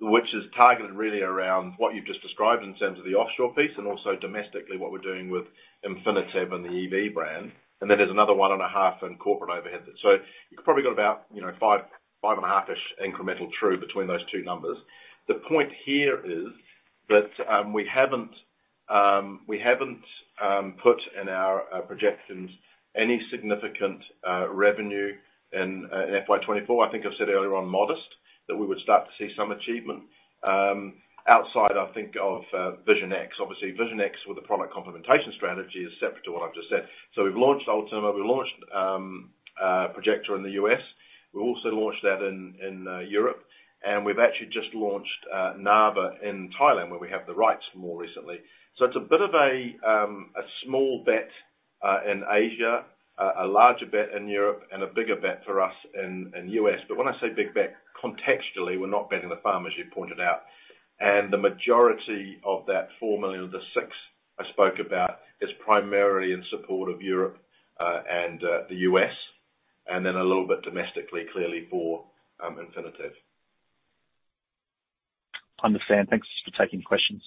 which is targeted really around what you've just described in terms of the offshore piece and also domestically, what we're doing with Infinitev and the EV brand. Then there's another 1.5 million in corporate overhead. You've probably got about, you know, 5, AUD 5.5-ish incremental true between those two numbers. The point here is that we haven't, we haven't put in our projections any significant revenue in FY 2024. I think I've said earlier on modest, that we would start to see some achievement outside, I think, of Vision X. Obviously, Vision X, with the product complementation strategy, is separate to what I've just said. We've launched Ultima, we've launched Projecta in the U.S. We also launched that in, in Europe, and we've actually just launched Narva in Thailand, where we have the rights more recently. It's a bit of a small bet in Asia, a larger bet in Europe, and a bigger bet for us in the U.S. When I say big bet, contextually, we're not betting the farm, as you pointed out. The majority of that 4 million, the 6 I spoke about, is primarily in support of Europe and the U.S., and then a little bit domestically, clearly for Infinitev. Understand. Thanks for taking the questions.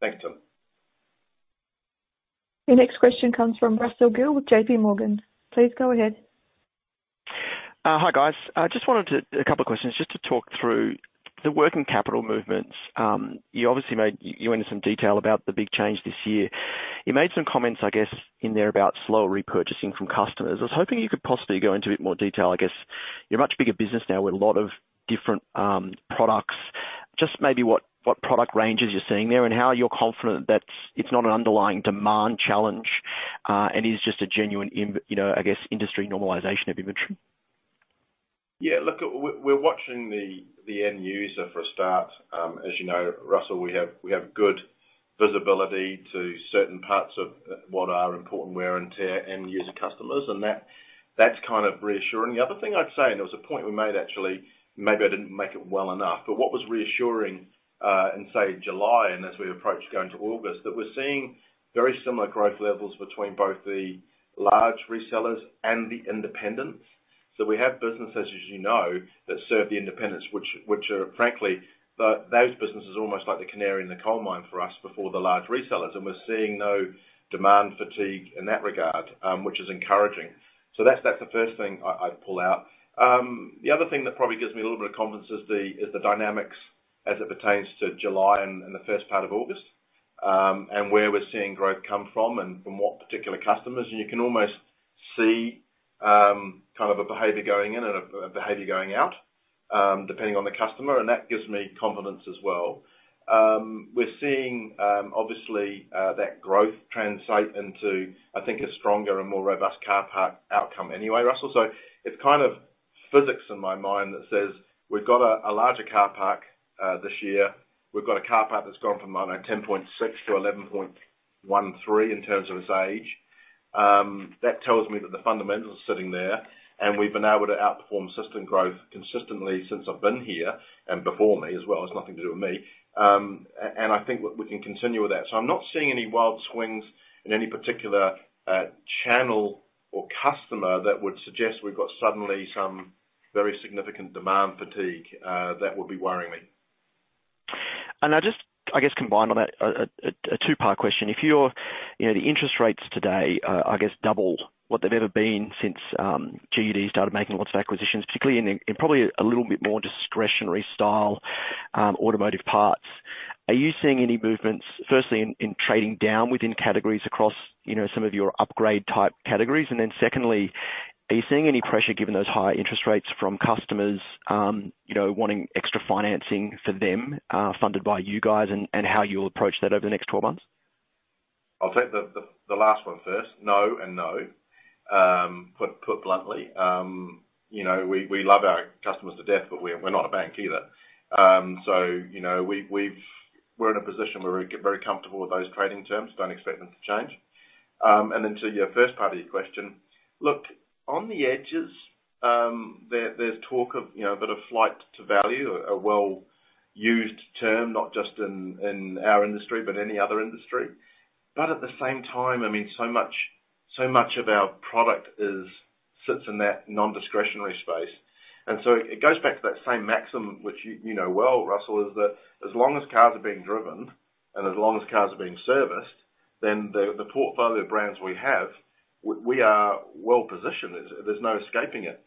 Thanks, Tim. Your next question comes from Russell Gill with JPMorgan. Please go ahead. Hi, guys. I just wanted to... A couple of questions, just to talk through the working capital movements. You obviously made, you went into some detail about the big change this year. You made some comments, I guess, in there about slower repurchasing from customers. I was hoping you could possibly go into a bit more detail. I guess, you're a much bigger business now with a lot of different products. Just maybe what, what product ranges you're seeing there and how you're confident that it's not an underlying demand challenge, and is just a genuine you know, I guess, industry normalization of inventory? Yeah, look, we're, we're watching the, the end user for a start. As you know, Russell, we have, we have good visibility to certain parts of what are important wear and tear end user customers, and that, that's kind of reassuring. The other thing I'd say, and it was a point we made actually, maybe I didn't make it well enough, but what was reassuring in, say, July and as we approached going to August, that we're seeing very similar growth levels between both the large resellers and the independents. We have businesses, as you know, that serve the independents, which, which are frankly, those businesses are almost like the canary in the coal mine for us before the large resellers. We're seeing no demand fatigue in that regard, which is encouraging. That's, that's the first thing I, I'd pull out. The other thing that probably gives me a little bit of confidence is the dynamics as it pertains to July and the first part of August, and where we're seeing growth come from and from what particular customers. You can almost see kind of a behavior going in and a behavior going out, depending on the customer, and that gives me confidence as well. We're seeing obviously that growth translate into, I think, a stronger and more robust car park outcome anyway, Russell. It's kind of physics in my mind that says: We've got a larger car park this year. We've got a car park that's gone from around 10.6 to 11.13 in terms of its age. That tells me that the fundamentals are sitting there, and we've been able to outperform system growth consistently since I've been here, and before me as well, it's nothing to do with me. I think we, we can continue with that. I'm not seeing any wild swings in any particular channel or customer that would suggest we've got suddenly some very significant demand fatigue that would be worrying me. I just, I guess, combined on a 2-part question: If your, you know, the interest rates today are, I guess, 2x what they've ever been since GUD started making lots of acquisitions, particularly in, in probably a little bit more discretionary style automotive parts, are you seeing any movements, firstly, in, in trading down within categories across, you know, some of your upgrade-type categories? Then secondly, are you seeing any pressure, given those high interest rates from customers, you know, wanting extra financing for them, funded by you guys, and, and how you'll approach that over the next 12 months? I'll take the, the, the last one first. No and no. Put bluntly, you know, we, we love our customers to death, but we're, we're not a bank either. You know, we're in a position where we're very comfortable with those trading terms. Don't expect them to change. Then to your first part of your question: Look, on the edges, there, there's talk of, you know, a bit of flight to value, a well-used term, not just in, in our industry, but any other industry. At the same time, I mean, so much, so much of our product is, sits in that non-discretionary space. So it goes back to that same maxim, which you, you know well, Russell, is that as long as cars are being driven and as long as cars are being serviced, then the, the portfolio of brands we have, we are well positioned. There's, there's no escaping it.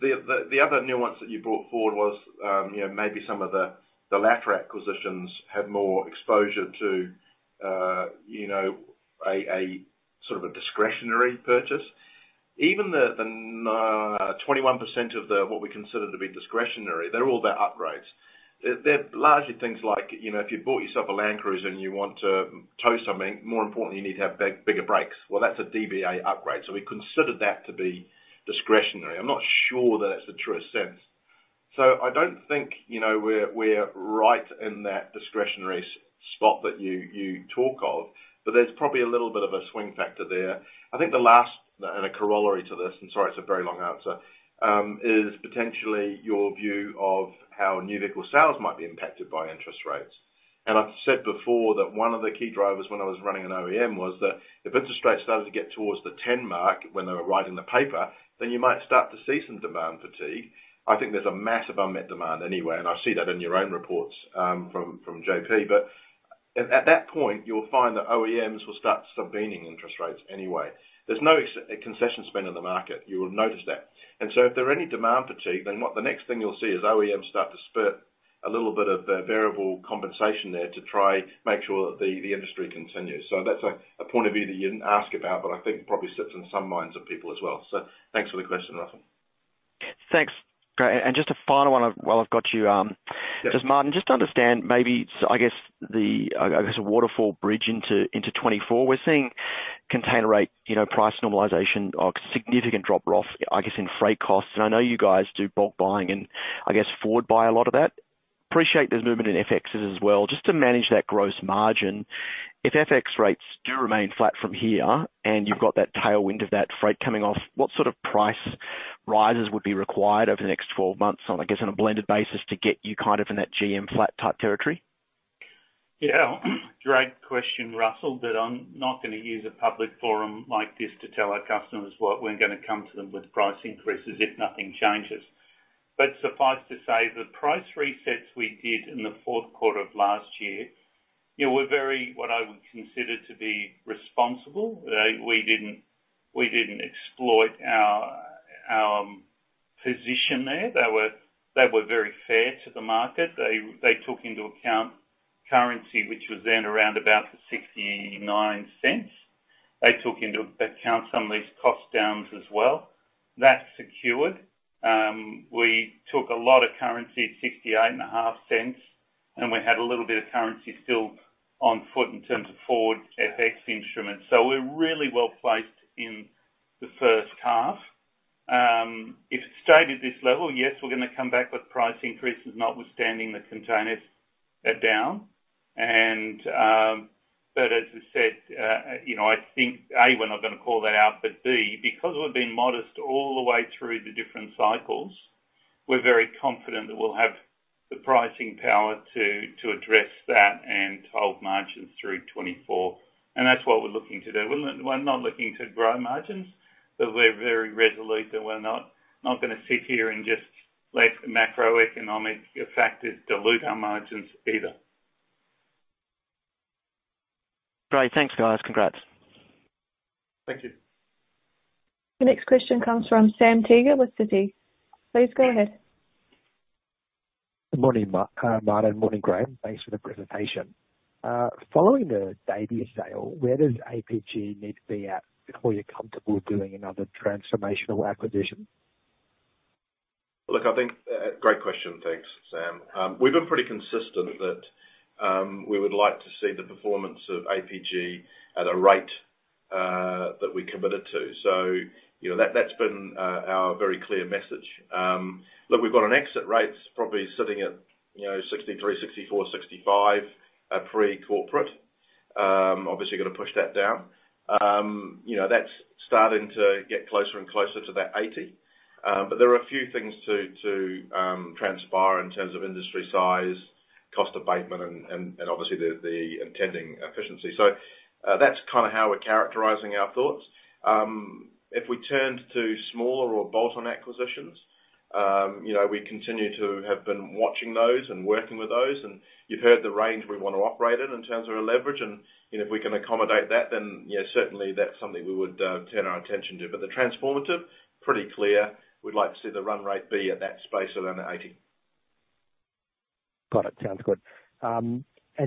The, the, the other nuance that you brought forward was, you know, a sort of a discretionary purchase. Even the, the, 21% of the, what we consider to be discretionary, they're all about upgrades. They're, they're largely things like, you know, if you bought yourself a Land Cruiser and you want to tow something, more importantly, you need to have bigger brakes. Well, that's a DBA upgrade, so we consider that to be discretionary. I'm not sure that it's the truest sense. I don't think, you know, we're, we're right in that discretionary s- spot that you, you talk of, but there's probably a little bit of a swing factor there. I think the last, a corollary to this, sorry, it's a very long answer, is potentially your view of how new vehicle sales might be impacted by interest rates. I've said before that one of the key drivers when I was running an OEM was that if interest rates started to get towards the 10 mark when they were writing the paper, then you might start to see some demand fatigue. I think there's a massive unmet demand anyway, I see that in your own reports, from, from JP. At, at that point, you'll find that OEMs will start subvening interest rates anyway. There's no ex- concession spend in the market. You will notice that. If there are any demand fatigue, then what the next thing you'll see is OEMs start to spurt a little bit of variable compensation there to try make sure that the, the industry continues. That's a, a point of view that you didn't ask about, but I think probably sits in some minds of people as well. Thanks for the question, Russell. Thanks. Great, and just a final one, while I've got you. Yes. Just Martin, just to understand, maybe I guess, the, I guess, the waterfall bridge into, into 2024, we're seeing container rate, you know, price normalization, a significant drop-off, I guess, in freight costs. I know you guys do bulk buying and, I guess, forward buy a lot of that. Appreciate there's movement in FXs as well, just to manage that gross margin. If FX rates do remain flat from here, and you've got that tailwind of that freight coming off, what sort of price rises would be required over the next 12 months on, I guess, on a blended basis to get you kind of in that GM flat type territory? Yeah, great question, Russell Gill, I'm not gonna use a public forum like this to tell our customers what we're gonna come to them with price increases if nothing changes. Suffice to say, the price resets we did in the fourth quarter of last year, you know, were very, what I would consider to be responsible. We didn't, we didn't exploit our position there. They were, they were very fair to the market. They, they took into account currency, which was then around about 0.69. They took into account some of these cost downs as well. That's secured. We took a lot of currency at 0.685, and we had a little bit of currency still on foot in terms of forward FX instruments, so we're really well-placed in the first half. If it stayed at this level, yes, we're gonna come back with price increases, notwithstanding the containers are down. As I said, you know, I think, A, we're not gonna call that out, but B, because we've been modest all the way through the different cycles, we're very confident that we'll have the pricing power to, to address that and hold margins through 2024. That's what we're looking to do. We're not, we're not looking to grow margins, but we're very resolute that we're not, not gonna sit here and just let the macroeconomic factors dilute our margins either. Great. Thanks, guys. Congrats. Thank you. The next question comes from Sam Teeger with Citi. Please go ahead. Good morning, Martin, morning, Graeme. Thanks for the presentation. Following the Davey sale, where does APG need to be at before you're comfortable doing another transformational acquisition? Look, I think, great question. Thanks, Sam. We've been pretty consistent that we would like to see the performance of APG at a rate that we committed to. You know, that, that's been our very clear message. Look, we've got an exit rate probably sitting at, you know, 63, 64, 65 pre-corporate. Obviously, gonna push that down. You know, that's starting to get closer and closer to that 80. But there are a few things to, to transpire in terms of industry size, cost abatement, and, and, and obviously the, the intending efficiency. That's kind of how we're characterizing our thoughts. If we turned to smaller or bolt-on acquisitions, you know, we continue to have been watching those and working with those, and you've heard the range we want to operate in, in terms of our leverage. You know, if we can accommodate that, then, you know, certainly that's something we would turn our attention to. The transformative, pretty clear, we'd like to see the run rate be at that space of under 80. Got it. Sounds good.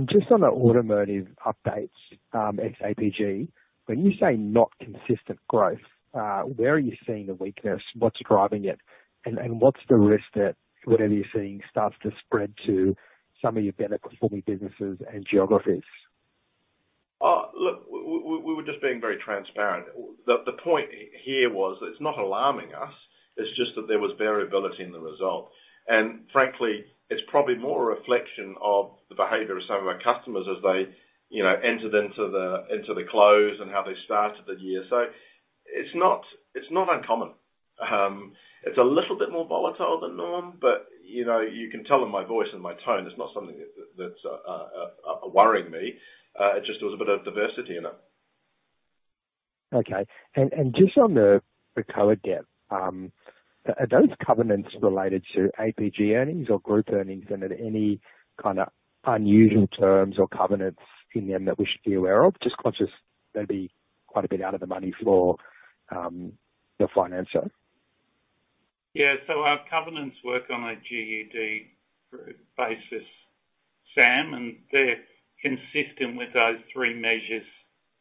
Just on the automotive updates, ex APG, when you say not consistent growth, where are you seeing the weakness? What's driving it? What's the risk that whatever you're seeing starts to spread to some of your better performing businesses and geographies? Look, we were just being very transparent. The point here was, it's not alarming us, it's just that there was variability in the result. Frankly, it's probably more a reflection of the behavior of some of our customers as they, you know, entered into the, into the close and how they started the year. It's not, it's not uncommon. It's a little bit more volatile than norm, but, you know, you can tell in my voice and my tone, it's not something that, that worrying me. It just there was a bit of diversity in it. Okay. Just on the recovered debt, are those covenants related to APG earnings or group earnings? Are there any kind of unusual terms or covenants in them that we should be aware of? Just conscious, maybe quite a bit out of the money for the financer. Yeah, so our covenants work on a GUD Group basis, Sam, and they're consistent with those 3 measures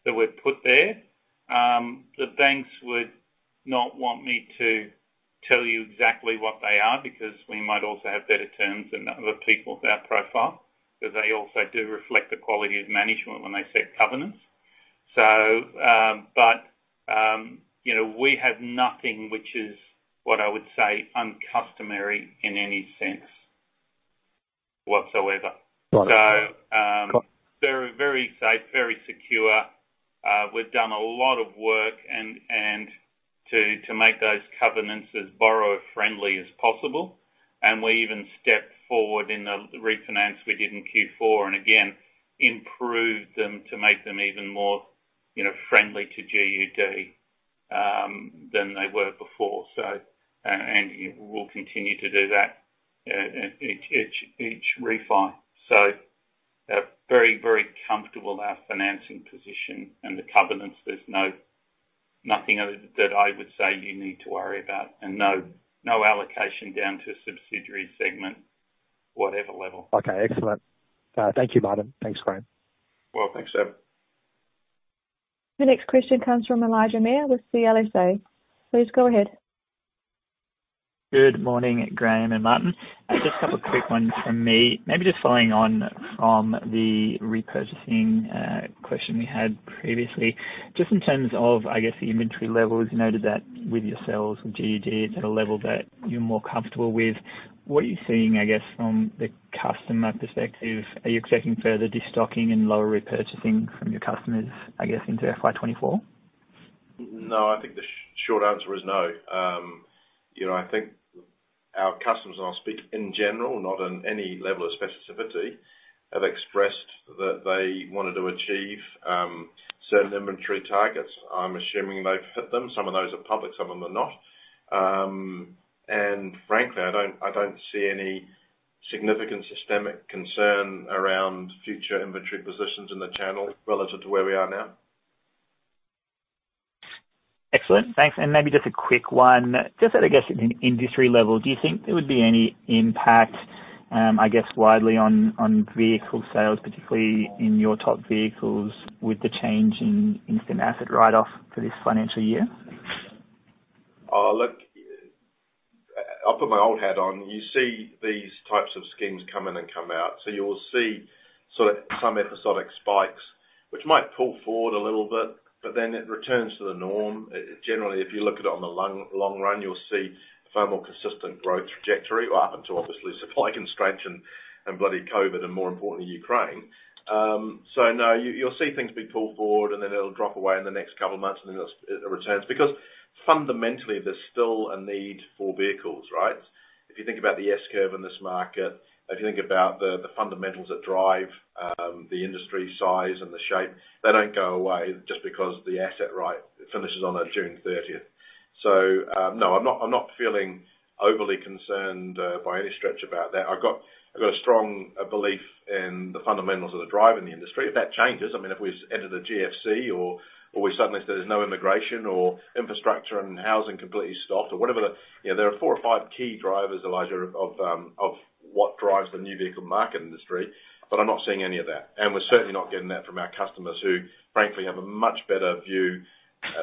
that were put there. The banks would not want me to tell you exactly what they are, because we might also have better terms than other people of our profile, because they also do reflect the quality of management when they set covenants. You know, we have nothing, which is what I would say, uncustomary in any sense whatsoever. Got it. They're very safe, very secure. We've done a lot of work and to make those covenants as borrower-friendly as possible. We even stepped forward in the refinance we did in Q4, and again, improved them to make them even more, you know, friendly to GUD than they were before. We'll continue to do that at each refi. They're very comfortable, our financing position and the covenants. There's nothing of that I would say you need to worry about, and no allocation down to a subsidiary segment, whatever level. Okay, excellent. Thank you, Martin. Thanks, Graeme. Well, thanks, Sam. The next question comes from Elijah Mayr with CLSA. Please go ahead. Good morning, Graeme and Martin. Uh. Just a couple quick ones from me. Maybe just following on from the repurchasing, question we had previously. Just in terms of, I guess, the inventory levels, you noted that with your sales of GUD, it's at a level that you're more comfortable with. What are you seeing, I guess, from the customer perspective? Are you expecting further destocking and lower repurchasing from your customers, I guess, into FY 2024? No, I think the short answer is no. you know, I think our customers, and I'll speak in general, not on any level of specificity, have expressed that they wanted to achieve, certain inventory targets. I'm assuming they've hit them. Some of those are public, some of them are not. Frankly, I don't, I don't see any significant systemic concern around future inventory positions in the channel relative to where we are now. Excellent. Thanks, and maybe just a quick one. Just at, I guess, an industry level, do you think there would be any impact, I guess, widely on, on vehicle sales, particularly in your top vehicles, with the change in instant asset write-off for this financial year? Look, I'll put my old hat on. You see these types of schemes come in and come out, so you'll see sort of some episodic spikes, which might pull forward a little bit, but then it returns to the norm. Generally, if you look at it on the long, long run, you'll see a far more consistent growth trajectory up until obviously supply constraint and, and bloody COVID, and more importantly, Ukraine. No, you, you'll see things be pulled forward, and then it'll drop away in the next couple of months, and then it'll, it returns. Because fundamentally, there's still a need for vehicles, right? If you think about the S-curve in this market, if you think about the, the fundamentals that drive the industry size and the shape, they don't go away just because the asset right finishes on a June 30th. No, I'm not feeling overly concerned by any stretch about that. I've got a strong belief in the fundamentals of the drive in the industry. If that changes, I mean, if we enter the GFC or we suddenly there's no immigration or infrastructure and housing completely stops or whatever the. You know, there are four or five key drivers, Elijah, of what drives the new vehicle market industry, but I'm not seeing any of that. We're certainly not getting that from our customers, who, frankly, have a much better view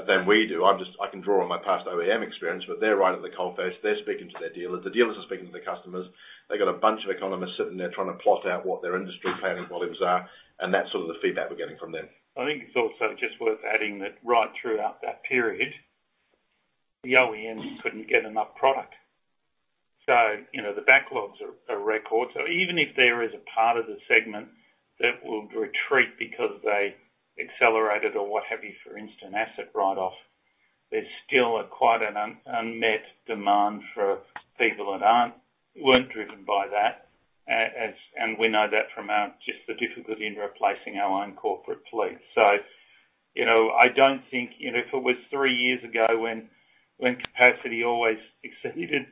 than we do. I can draw on my past OEM experience, but they're right at the coalface. They're speaking to their dealers. The dealers are speaking to their customers. They've got a bunch of economists sitting there trying to plot out what their industry planning volumes are. That's sort of the feedback we're getting from them. I think it's also just worth adding that right throughout that period, the OEM couldn't get enough product. You know, the backlogs are record. Even if there is a part of the segment that will retreat because they accelerated or what have you, for instant asset write-off, there's still a quite an unmet demand for people that weren't driven by that. And we know that from just the difficulty in replacing our own corporate fleet. You know, I don't think, you know, if it was 3 years ago when capacity always exceeded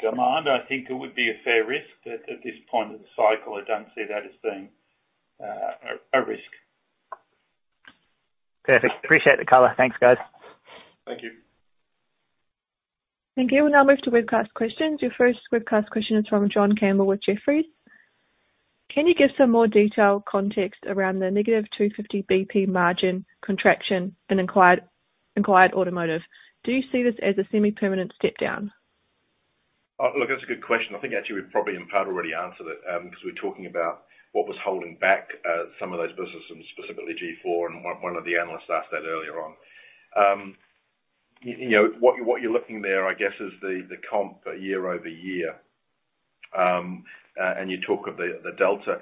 demand, I think it would be a fair risk. At this point of the cycle, I don't see that as being a risk. Perfect. Appreciate the color. Thanks, guys. Thank you. Thank you. We'll now move to webcast questions. Your first webcast question is from John Campbell with Jefferies. Can you give some more detailed context around the -250 BP margin contraction in acquired, acquired automotive? Do you see this as a semi-permanent step down? Look, that's a good question. I think actually we probably in part already answered it, because we're talking about what was holding back some of those businesses, specifically G4, and one of the analysts asked that earlier on. You know, what you're looking there, I guess, is the comp year-over-year. You talk of the delta.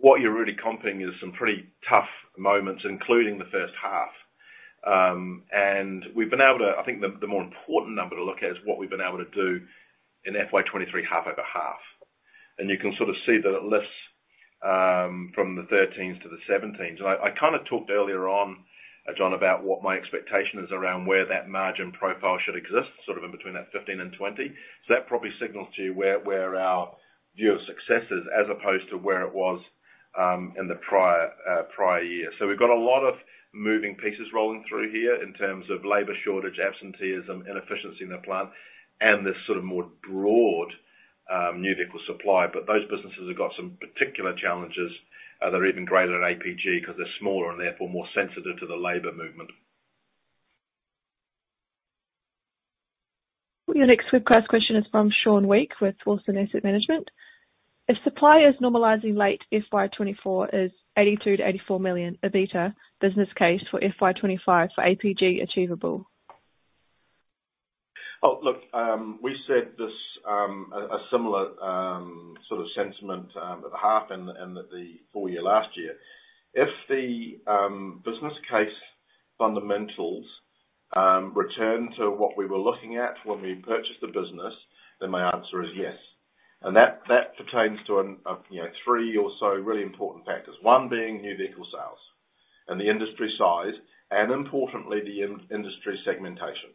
What you're really comping is some pretty tough moments, including the first half. We've been able to I think the more important number to look at is what we've been able to do in FY 2023, half-over-half. You can sort of see that it lifts from the thirteens to the seventeens. I, I kind of talked earlier on, John, about what my expectation is around where that margin profile should exist, sort of in between that 15% and 20%. That probably signals to you where, where our view of success is, as opposed to where it was in the prior prior year. We've got a lot of moving pieces rolling through here in terms of labor shortage, absenteeism, inefficiency in the plant, and this sort of more broad new vehicle supply. Those businesses have got some particular challenges that are even greater than APG because they're smaller and therefore more sensitive to the labor movement. Your next quick question is from Shaun Weick with Wilson Asset Management. If supply is normalizing late, FY 2024 is 82 million-84 million, EBITDA business case for FY 2025 for APG achievable? Oh, look, we said this, a similar sort of sentiment, at the half and at the full year last year. If the business case fundamentals return to what we were looking at when we purchased the business, then my answer is yes. And that, that pertains to, you know, three or so really important factors. One being new vehicle sales and the industry size, and importantly, the industry segmentation.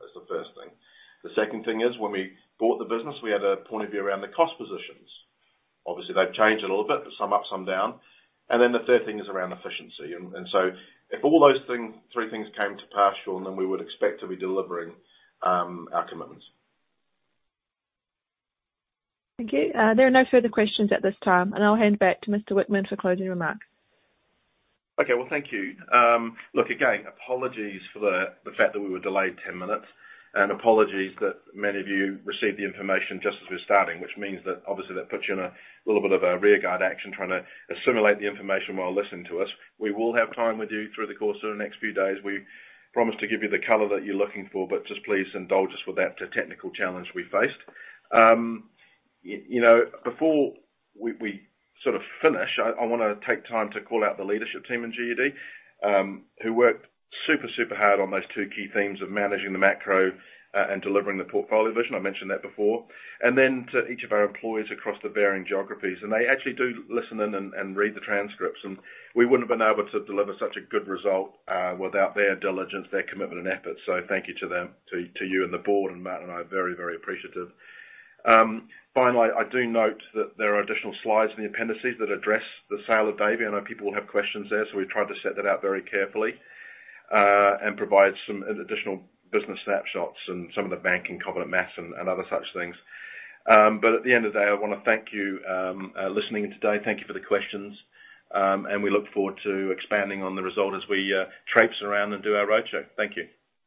That's the first thing. The second thing is, when we bought the business, we had a point of view around the cost positions. Obviously, they've changed a little bit, but some up, some down. And then the third thing is around efficiency. If all those things, three things came to pass, Shaun, then we would expect to be delivering our commitments. Thank you. There are no further questions at this time, and I'll hand back to Mr. Whickman for closing remarks. Okay. Well, thank you. Look, again, apologies for the fact that we were delayed 10 minutes, and apologies that many of you received the information just as we're starting, which means that obviously that puts you in a little bit of a rear guard action, trying to assimilate the information while listening to us. We will have time with you through the course of the next few days. We promise to give you the color that you're looking for, but just please indulge us with that, the technical challenge we faced. You know, before we sort of finish, I wanna take time to call out the leadership team in GUD, who worked super, super hard on those 2 key themes of managing the macro, and delivering the portfolio vision. I mentioned that before. Then to each of our employees across the varying geographies, and they actually do listen in and, and read the transcripts, and we wouldn't have been able to deliver such a good result without their diligence, their commitment and effort. Thank you to them, to, to you and the board, and Matt and I are very, very appreciative. Finally, I do note that there are additional slides in the appendices that address the sale of Davey. I know people will have questions there, so we tried to set hat out very carefully. Provide some additional business snapshots and some of the banking covenant math and, and other such things. At the end of the day, I wanna thank you, listening in today. Thank you for the questions, and we look forward to expanding on the result as we traipse around and do our roadshow. Thank you.